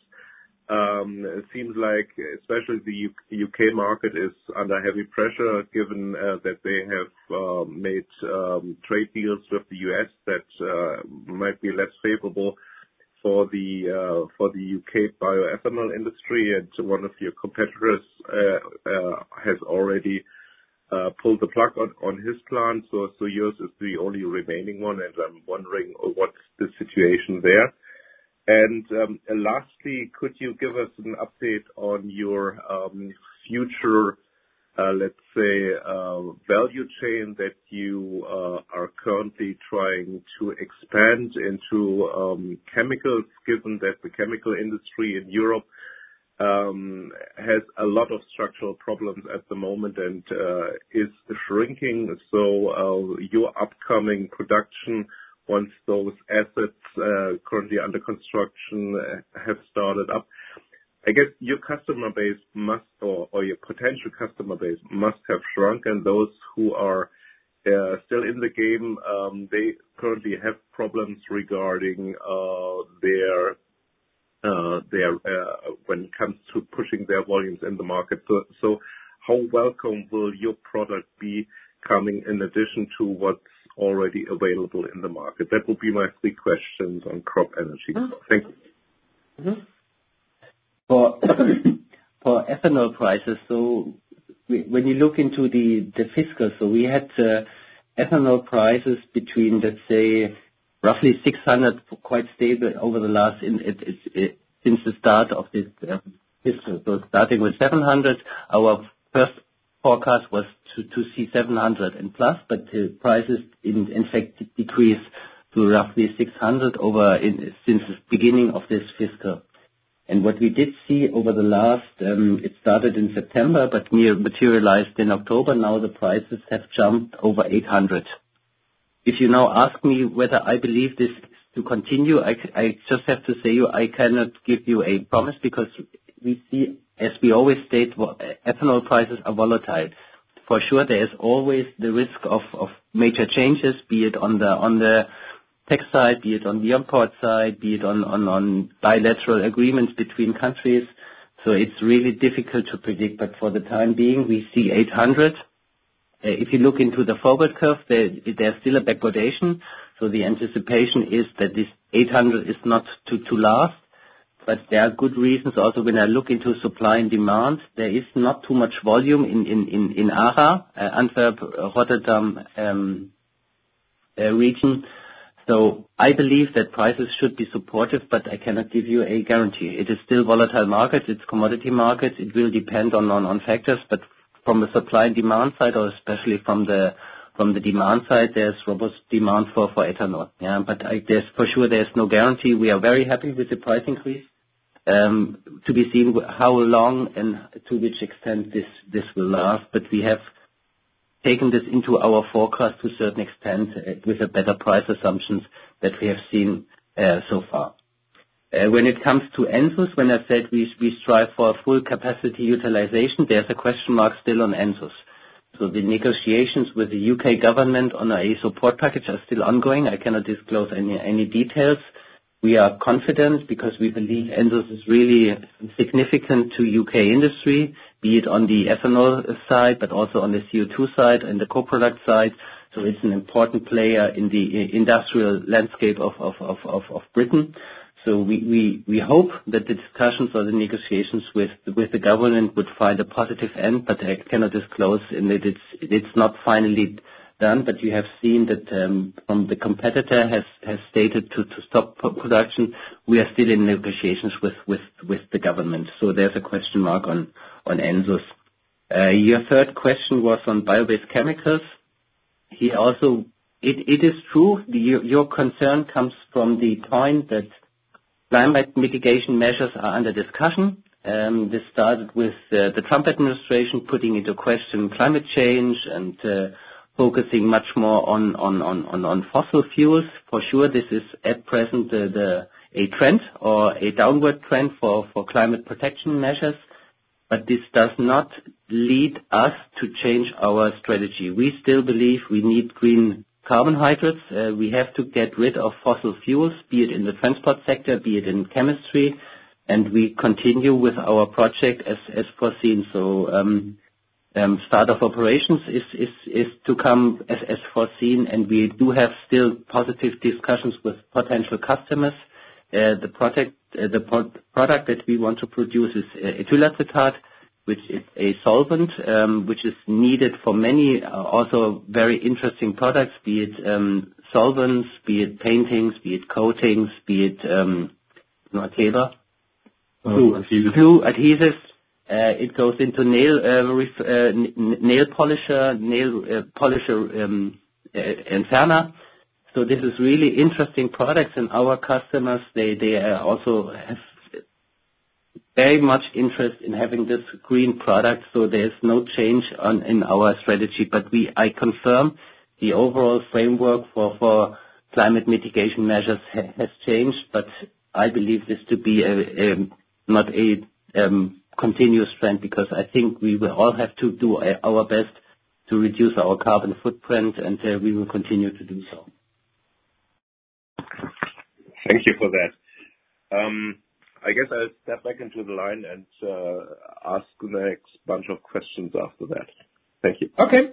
It seems like especially the U.K. market is under heavy pressure given that they have made trade deals with the U.S. that might be less favorable for the U.K. bioethanol industry. And one of your competitors has already pulled the plug on his plant. So yours is the only remaining one. And I'm wondering what's the situation there. And lastly, could you give us an update on your future, let's say, value chain that you are currently trying to expand into chemicals, given that the chemical industry in Europe has a lot of structural problems at the moment and is shrinking? So your upcoming production, once those assets currently under construction have started up, I guess your customer base must or your potential customer base must have shrunk. And those who are still in the game, they currently have problems regarding their, when it comes to pushing their volumes in the market. So how welcome will your product be coming in addition to what's already available in the market? That would be my three questions on CropEnergies. Thank you. For ethanol prices, so when you look into the fiscal, so we had ethanol prices between, let's say, roughly 600, quite stable over the last since the start of this fiscal. So starting with 700, our first forecast was to see 700 and plus, but prices in fact decreased to roughly 600 since the beginning of this fiscal. And what we did see over the last, it started in September, but materialized in October. Now the prices have jumped over 800. If you now ask me whether I believe this to continue, I just have to say I cannot give you a promise because we see, as we always state, ethanol prices are volatile. For sure, there is always the risk of major changes, be it on the tech side, be it on the import side, be it on bilateral agreements between countries. So it's really difficult to predict. But for the time being, we see 800. If you look into the forward curve, there's still a backwardation. So the anticipation is that this 800 is not to last. But there are good reasons. Also, when I look into supply and demand, there is not too much volume in ARA, Antwerp, Rotterdam region. So I believe that prices should be supportive, but I cannot give you a guarantee. It is still a volatile market. It's a commodity market. It will depend on factors. But from the supply and demand side, or especially from the demand side, there's robust demand for ethanol. But for sure, there's no guarantee. We are very happy with the price increase. To be seen how long and to which extent this will last. But we have taken this into our forecast to a certain extent with the better price assumptions that we have seen so far. When it comes to Ensus, when I said we strive for full capacity utilization, there's a question mark still on Ensus. So the negotiations with the U.K. government on our support package are still ongoing. I cannot disclose any details. We are confident because we believe Ensus is really significant to U.K. industry, be it on the ethanol side, but also on the CO2 side and the co-product side. So it's an important player in the industrial landscape of Britain. So we hope that the discussions or the negotiations with the government would find a positive end. But I cannot disclose in that it's not finally done. But you have seen that the competitor has stated to stop production. We are still in negotiations with the government. So there's a question mark on Ensus. Your third question was on bio-based chemicals. It is true. Your concern comes from the point that climate mitigation measures are under discussion. This started with the Trump administration putting into question climate change and focusing much more on fossil fuels. For sure, this is at present a trend or a downward trend for climate protection measures. But this does not lead us to change our strategy. We still believe we need green carbohydrates. We have to get rid of fossil fuels, be it in the transport sector, be it in chemistry. And we continue with our project as foreseen. So start of operations is to come as foreseen. And we do have still positive discussions with potential customers. The product that we want to produce is ethyl acetate, which is a solvent, which is needed for many also very interesting products, be it solvents, be it paints, be it coatings, be it glue adhesives. It goes into nail polish and furniture, so this is really interesting products, and our customers, they also have very much interest in having this green product, so there's no change in our strategy, but I confirm the overall framework for climate mitigation measures has changed, but I believe this to be not a continuous trend because I think we will all have to do our best to reduce our carbon footprint, and we will continue to do so. Thank you for that. I guess I'll step back into the line and ask the next bunch of questions after that. Thank you. Okay.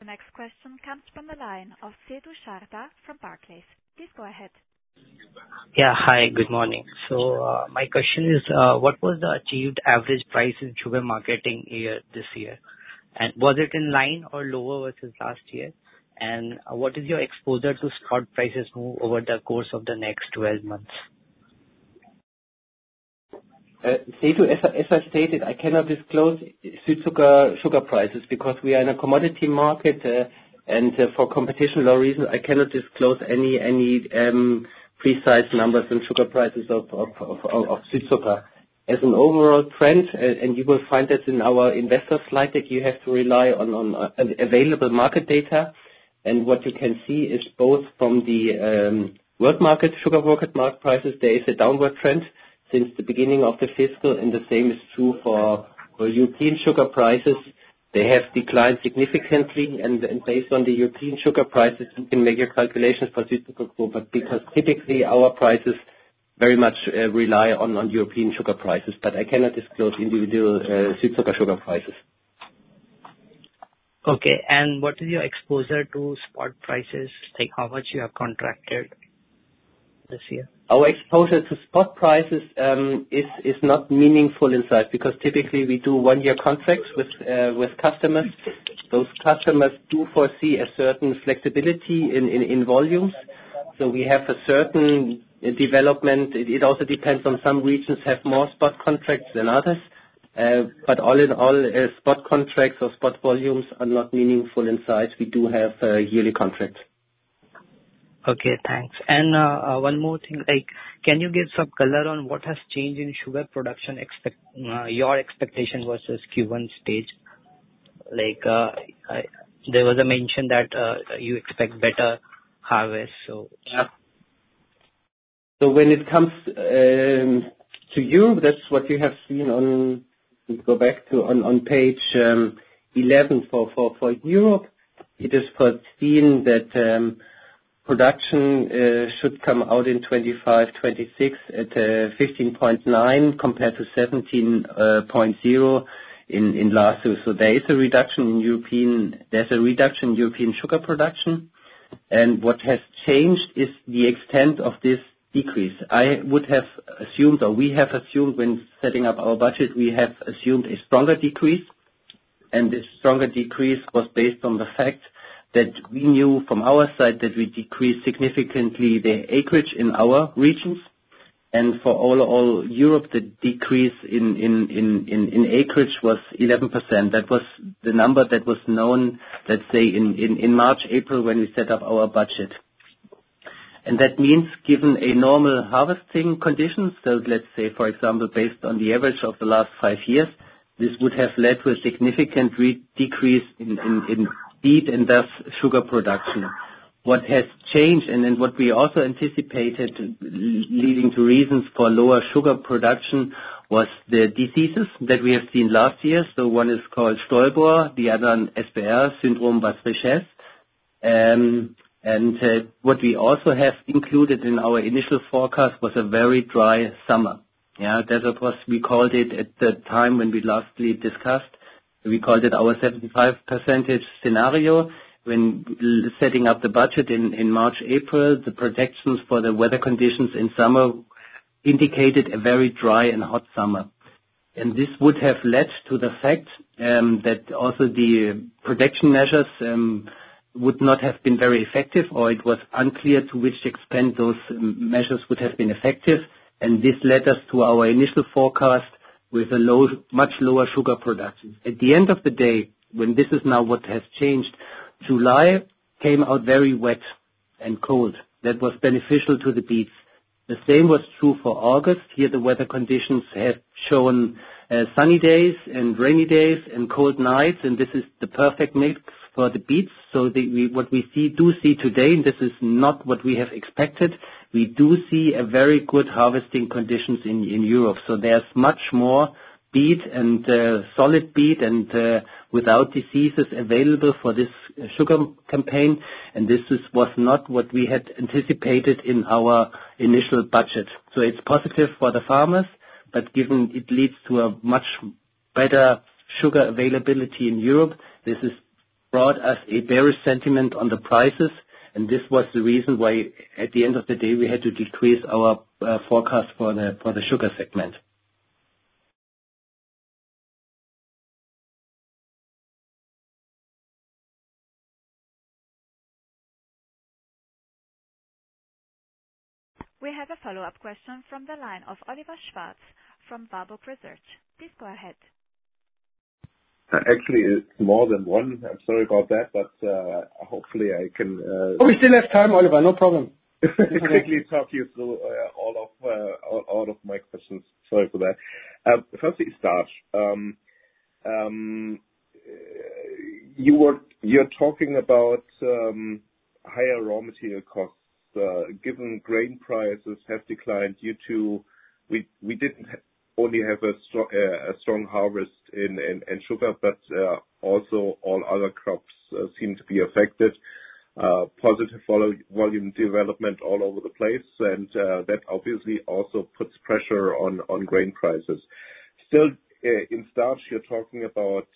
The next question comes from the line of Setu Sharda from Barclays. Please go ahead. Yeah. Hi. Good morning, so my question is, what was the achieved average price in sugar marketing this year? And was it in line or lower versus last year? And what is your exposure to spot prices move over the course of the next 12 months? As I stated, I cannot disclose sugar prices because we are in a commodity market and for competition reasons. I cannot disclose any precise numbers on sugar prices of Südzucker. As an overall trend and you will find that in our investor slide that you have to rely on available market data and what you can see is both from the world market sugar market prices. There is a downward trend since the beginning of the fiscal and the same is true for European sugar prices. They have declined significantly. And based on the European sugar prices, you can make your calculations for Südzucker group. But because typically our prices very much rely on European sugar prices, but I cannot disclose individual Südzucker sugar prices. Okay. And what is your exposure to spot prices? How much you have contracted this year? Our exposure to spot prices is not meaningful in size because typically we do one-year contracts with customers. Those customers do foresee a certain flexibility in volumes. So we have a certain development. It also depends on some regions have more spot contracts than others. But all in all, spot contracts or spot volumes are not meaningful in size. We do have yearly contracts. Okay. Thanks. And one more thing. Can you give some color on what has changed in sugar production, your expectation versus Q1 stage? There was a mention that you expect better harvest, so. Yeah. So when it comes to Europe, that's what you have seen. So go back to page 11 for Europe. It is foreseen that production should come out in 25, 26 at 15.9 compared to 17.0 in last year. So there is a reduction in European sugar production. What has changed is the extent of this decrease. I would have assumed, or we have assumed when setting up our budget, a stronger decrease. This stronger decrease was based on the fact that we knew from our side that we decreased significantly the acreage in our regions. For all of Europe, the decrease in acreage was 11%. That was the number that was known, let's say, in March, April when we set up our budget. And that means, given normal harvesting conditions, let's say, for example, based on the average of the last five years, this would have led to a significant decrease in feed and thus sugar production. What has changed and what we also anticipated leading to reasons for lower sugar production was the diseases that we have seen last year. So one is called Stolbur, the other SBR Syndrome des Basses Richesses. And what we also have included in our initial forecast was a very dry summer. Yeah. That's what we called it at the time when we lastly discussed. We called it our 75% scenario. When setting up the budget in March, April, the projections for the weather conditions in summer indicated a very dry and hot summer. This would have led to the fact that also the protection measures would not have been very effective, or it was unclear to which extent those measures would have been effective. This led us to our initial forecast with a much lower sugar production. At the end of the day, when this is now what has changed, July came out very wet and cold. That was beneficial to the beets. The same was true for August. Here, the weather conditions have shown sunny days and rainy days and cold nights. This is the perfect mix for the beets. What we do see today, and this is not what we have expected, we do see very good harvesting conditions in Europe. There's much more beet and solid beet and without diseases available for this sugar campaign. This was not what we had anticipated in our initial budget. So it's positive for the farmers. But given it leads to a much better sugar availability in Europe, this has brought us a bearish sentiment on the prices. And this was the reason why at the end of the day, we had to decrease our forecast for the Sugar segment. We have a follow-up question from the line of Oliver Schwarz from Warburg Research. Please go ahead. Actually, it's more than one. I'm sorry about that. But hopefully, I can. Oh, we still have time, Oliver. No problem. I can quickly talk you through all of my questions. Sorry for that. Firstly, starch. You're talking about higher raw material costs. Given grain prices have declined due to we didn't only have a strong harvest in sugar, but also all other crops seem to be affected. Positive volume development all over the place, and that obviously also puts pressure on grain prices. Still, in starch, you're talking about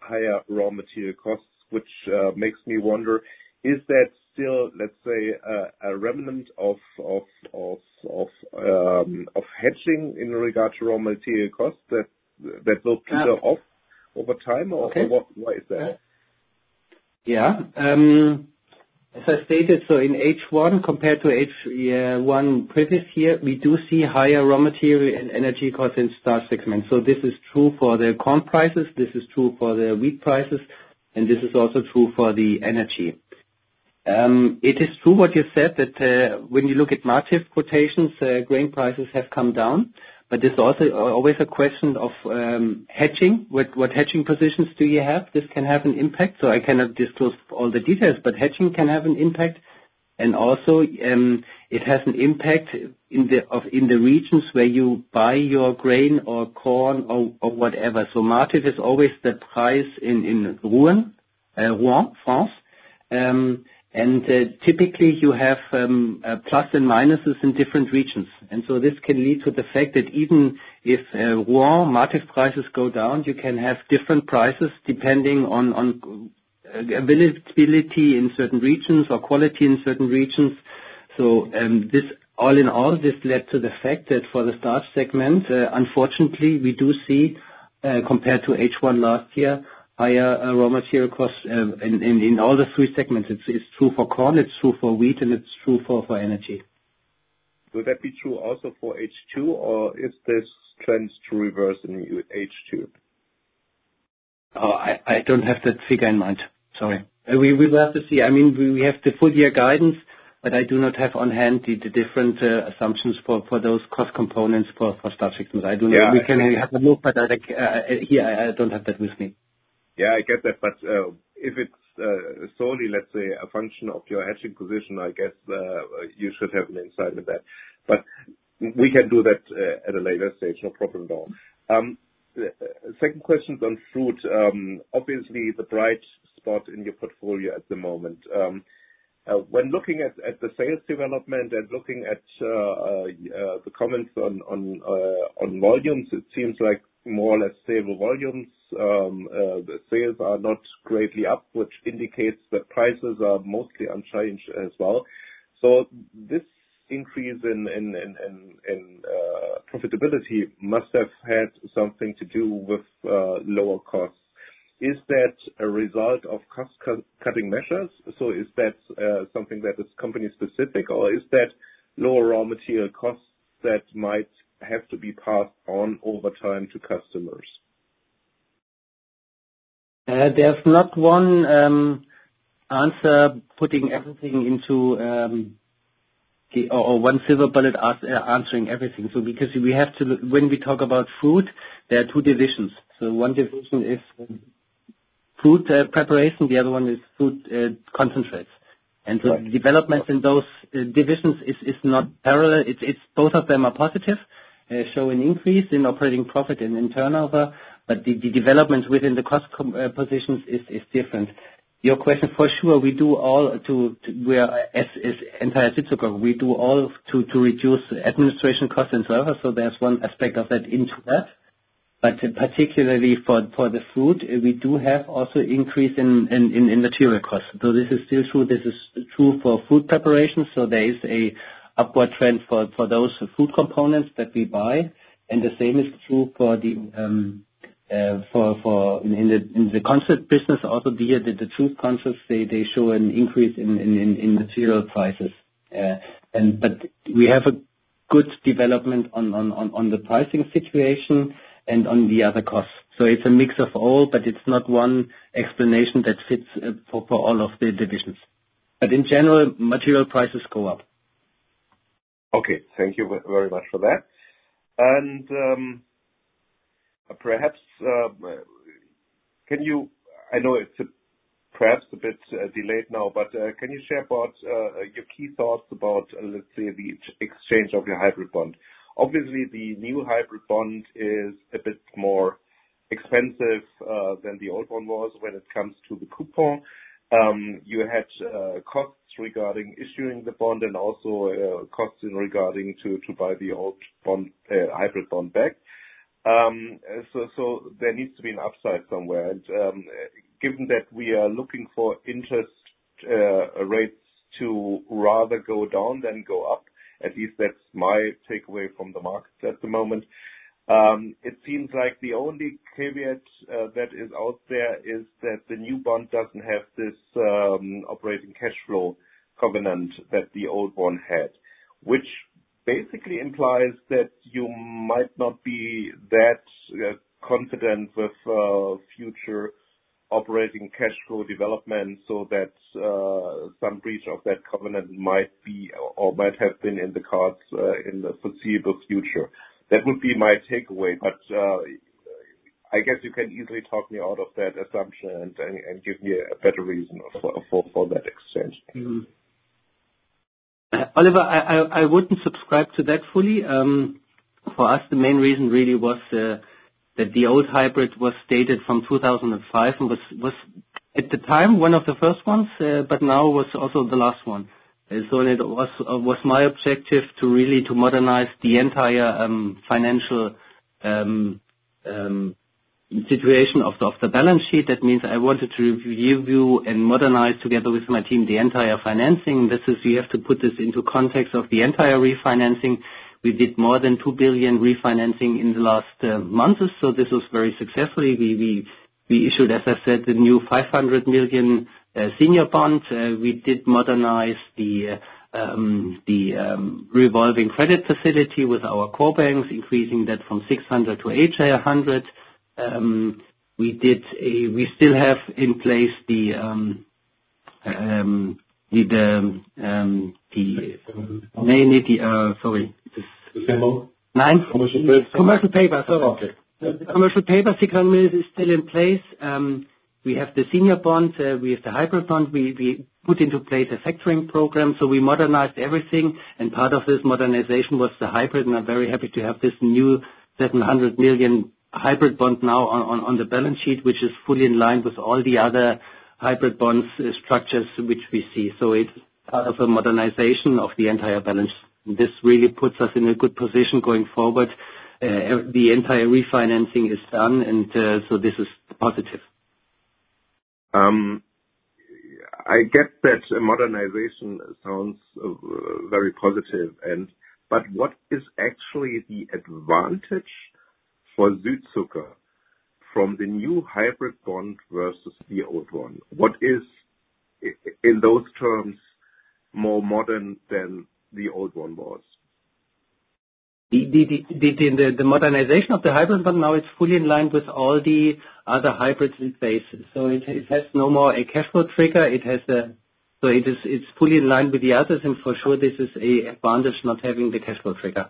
higher raw material costs, which makes me wonder, is that still, let's say, a remnant of hedging in regard to raw material costs that will peter off over time? Or why is that? Yeah. As I stated, so in H1 compared to H1 previous year, we do see higher raw material and energy costs in Starch segment, so this is true for the corn prices. This is true for the wheat prices, and this is also true for the energy. It is true what you said that when you look at MATIF quotations, grain prices have come down, but there's also always a question of hedging. What hedging positions do you have? This can have an impact. I cannot disclose all the details, but hedging can have an impact. And also, it has an impact in the regions where you buy your grain or corn or whatever. So MATIF is always the price in Rouen, France. And typically, you have plus and minuses in different regions. And so this can lead to the fact that even if Rouen, MATIF prices go down, you can have different prices depending on availability in certain regions or quality in certain regions. So all in all, this led to the fact that for the Starch segment, unfortunately, we do see compared to H1 last year, higher raw material costs in all the three segments. It's true for corn. It's true for wheat. And it's true for energy. Would that be true also for H2? Or is this trend to reverse in H2? I don't have that figure in mind. Sorry. We will have to see. I mean, we have the full year guidance, but I do not have on hand the different assumptions for those cost components for Starch segments. I don't know. We can have a look, but here, I don't have that with me. Yeah. I get that. But if it's solely, let's say, a function of your hedging position, I guess you should have an insight in that. But we can do that at a later stage. No problem at all. Second question on fruit. Obviously, the bright spot in your portfolio at the moment. When looking at the sales development and looking at the comments on volumes, it seems like more or less stable volumes. Sales are not greatly up, which indicates that prices are mostly unchanged as well. So this increase in profitability must have had something to do with lower costs. Is that a result of cost-cutting measures? So is that something that is company-specific? Or is that lower raw material costs that might have to be passed on over time to customers? There's not one answer putting everything into or one silver bullet answering everything. So because we have to when we talk about fruit, there are two divisions. So one division is Fruit Preparation. The other one is Fruit Concentrates. And so the development in those divisions is not parallel. Both of them are positive, show an increase in operating profit and turnover. But the development within the cost positions is different. Your question, for sure, we do all to entire Südzucker, we do all to reduce administration costs and so forth. So there's one aspect of that into that. But particularly for the fruit, we do have also increase in material costs. So this is still true. This is true for Fruit Preparations. So there is an upward trend for those fruit components that we buy. And the same is true for the concentrate business. Also here, the Fruit Concentrates, they show an increase in material prices. But we have a good development on the pricing situation and on the other costs. So it's a mix of all, but it's not one explanation that fits for all of the divisions. But in general, material prices go up. Okay. Thank you very much for that. And perhaps can you? I know it's perhaps a bit delayed now, but can you share about your key thoughts about, let's say, the exchange of your hybrid bond? Obviously, the new hybrid bond is a bit more expensive than the old one was when it comes to the coupon. You had costs regarding issuing the bond and also costs regarding to buy the old hybrid bond back. So there needs to be an upside somewhere. And given that we are looking for interest rates to rather go down than go up, at least that's my takeaway from the market at the moment, it seems like the only caveat that is out there is that the new bond doesn't have this operating cash flow covenant that the old one had, which basically implies that you might not be that confident with future operating cash flow development so that some breach of that covenant might be or might have been in the cards in the foreseeable future. That would be my takeaway. But I guess you can easily talk me out of that assumption and give me a better reason for that exchange. Oliver, I wouldn't subscribe to that fully. For us, the main reason really was that the old hybrid was dated from 2005 and was, at the time, one of the first ones, but now was also the last one. So it was my objective to really modernize the entire financial situation of the balance sheet. That means I wanted to review and modernize together with my team the entire financing. This is, you have to put this into context of the entire refinancing. We did more than 2 billion refinancing in the last months. So this was very successful. We issued, as I said, the new 500 million senior bond. We did modernize the revolving credit facility with our core banks, increasing that from EUR 600 million to EUR 800 million. We still have in place the commercial paper EUR 600 million is still in place. We have the senior bond. We have the hybrid bond. We put into place a factoring program, so we modernized everything, and part of this modernization was the hybrid. And I'm very happy to have this new 700 million hybrid bond now on the balance sheet, which is fully in line with all the other hybrid bond structures which we see, so it's part of a modernization of the entire balance sheet. This really puts us in a good position going forward. The entire refinancing is done, and so this is positive. I get that modernization sounds very positive, but what is actually the advantage for Südzucker from the new hybrid bond versus the old one? What is, in those terms, more modern than the old one was? The modernization of the hybrid bond now is fully in line with all the other hybrids in place, so it has no more a cash flow trigger. So it's fully in line with the others. And for sure, this is an advantage not having the cash flow trigger.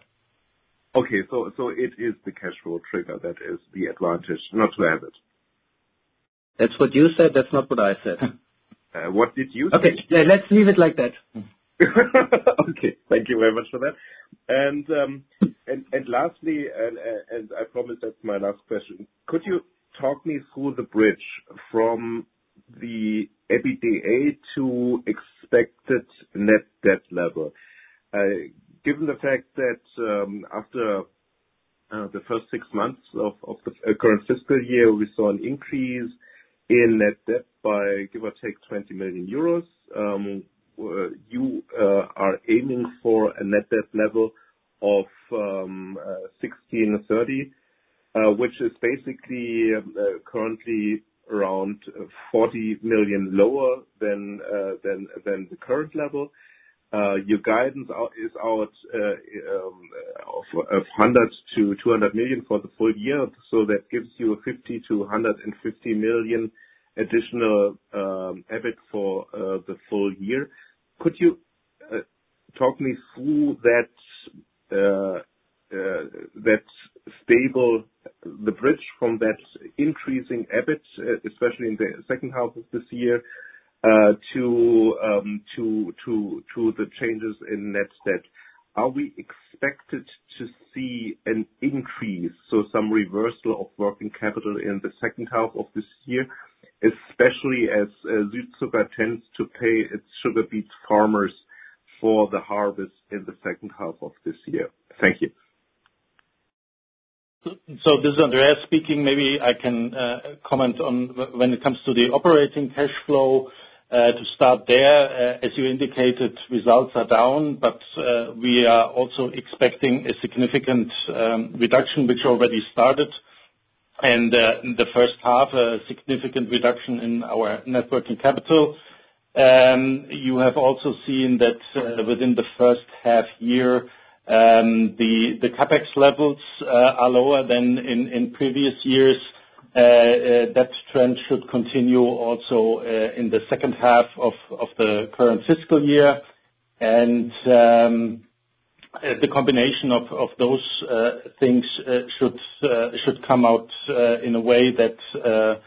Okay. So it is the cash flow trigger that is the advantage not to have it. That's what you said. That's not what I said. What did you say? Okay. Let's leave it like that. Okay. Thank you very much for that. And lastly, and I promise that's my last question, could you talk me through the bridge from the EBITDA to expected net debt level? Given the fact that after the first six months of the current fiscal year, we saw an increase in net debt by give or take 20 million euros, you are aiming for a net debt level of 1630, which is basically currently around 40 million lower than the current level. Your guidance is 100 million-200 million for the full year. So that gives you 50 million-150 million additional EBIT for the full year. Could you talk me through that stabilizes the bridge from that increasing EBIT, especially in the second half of this year, to the changes in net debt? Are we expected to see an increase, so some reversal of working capital in the second half of this year, especially as Südzucker tends to pay its sugar beet farmers for the harvest in the second half of this year? Thank you. So this is Andreas speaking. Maybe I can comment on when it comes to the operating cash flow to start there. As you indicated, results are down. But we are also expecting a significant reduction, which already started, and in the first half, a significant reduction in our net working capital. You have also seen that within the first half year, the CapEx levels are lower than in previous years. That trend should continue also in the second half of the current fiscal year, and the combination of those things should come out in a way that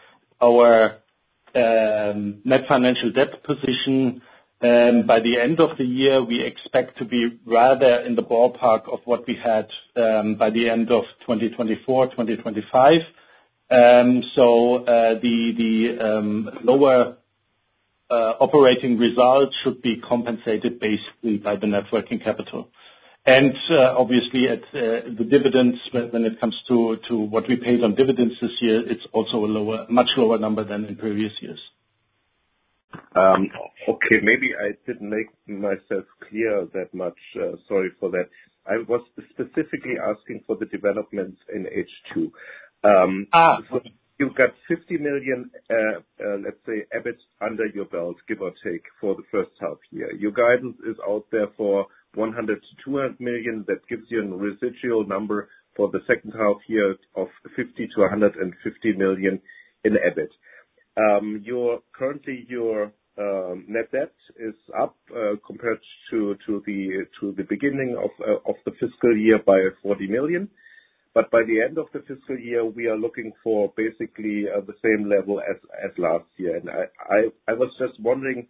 our net financial debt position by the end of the year, we expect to be rather in the ballpark of what we had by the end of 2024, 2025, so the lower operating result should be compensated basically by the net working capital, and obviously, the dividends, when it comes to what we paid on dividends this year, it's also a much lower number than in previous years. Okay. Maybe I didn't make myself clear that much. Sorry for that. I was specifically asking for the developments in H2. So you've got 50 million, let's say, EBIT under your belt, give or take, for the first half year. Your guidance is out there for 100-200 million. That gives you a residual number for the second half year of 50-150 million in EBIT. Currently, your net debt is up compared to the beginning of the fiscal year by 40 million. But by the end of the fiscal year, we are looking for basically the same level as last year. And I was just wondering,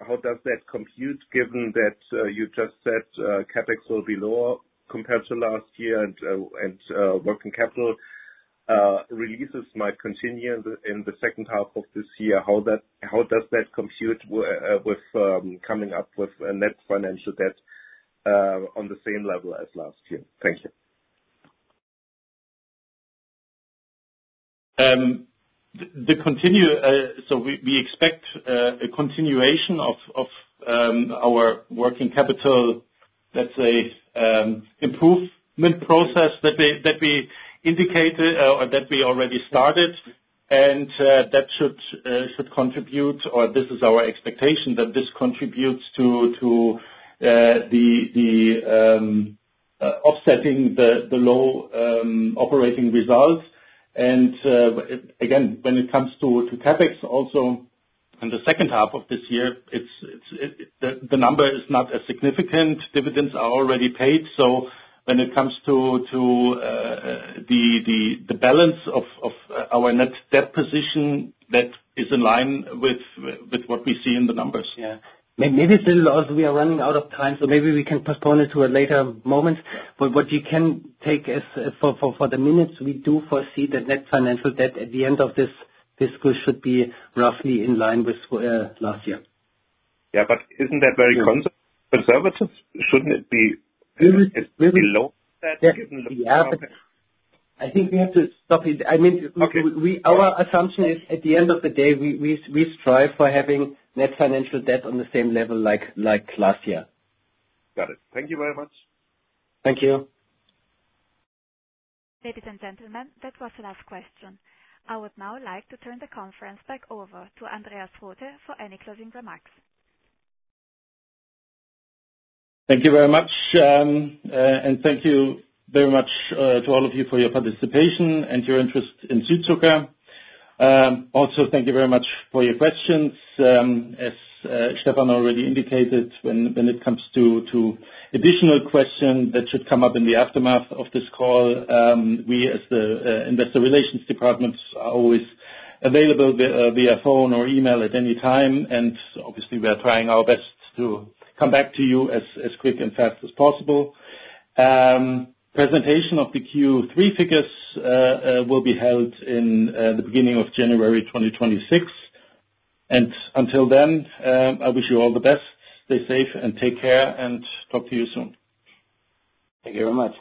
how does that compute, given that you just said CapEx will be lower compared to last year and working capital releases might continue in the second half of this year? How does that compute with coming up with net financial debt on the same level as last year? Thank you. So we expect a continuation of our working capital, let's say, improvement process that we indicated or that we already started. And that should contribute, or this is our expectation, that this contributes to offsetting the low operating results. And again, when it comes to CapEx also, in the second half of this year, the number is not as significant. Dividends are already paid. So when it comes to the balance of our net debt position, that is in line with what we see in the numbers, yeah. Maybe it's a little lost. We are running out of time. So maybe we can postpone it to a later moment. But what you can take is, for the minutes, we do foresee that net financial debt at the end of this fiscal should be roughly in line with last year, yeah. But isn't that very conservative? Shouldn't it be lower than that given the? Yeah. I think we have to stop it. I mean, our assumption is, at the end of the day, we strive for having net financial debt on the same level like last year. Got it. Thank you very much. Thank you. Ladies and gentlemen, that was the last question. I would now like to turn the conference back over to Andreas Rothe for any closing remarks. Thank you very much. And thank you very much to all of you for your participation and your interest in Südzucker. Also, thank you very much for your questions. As Stephan already indicated, when it comes to additional questions that should come up in the aftermath of this call, we, as the investor relations department, are always available via phone or email at any time. Obviously, we are trying our best to come back to you as quick and fast as possible. Presentation of the Q3 figures will be held in the beginning of January 2026. Until then, I wish you all the best. Stay safe and take care, and talk to you soon. Thank you very much.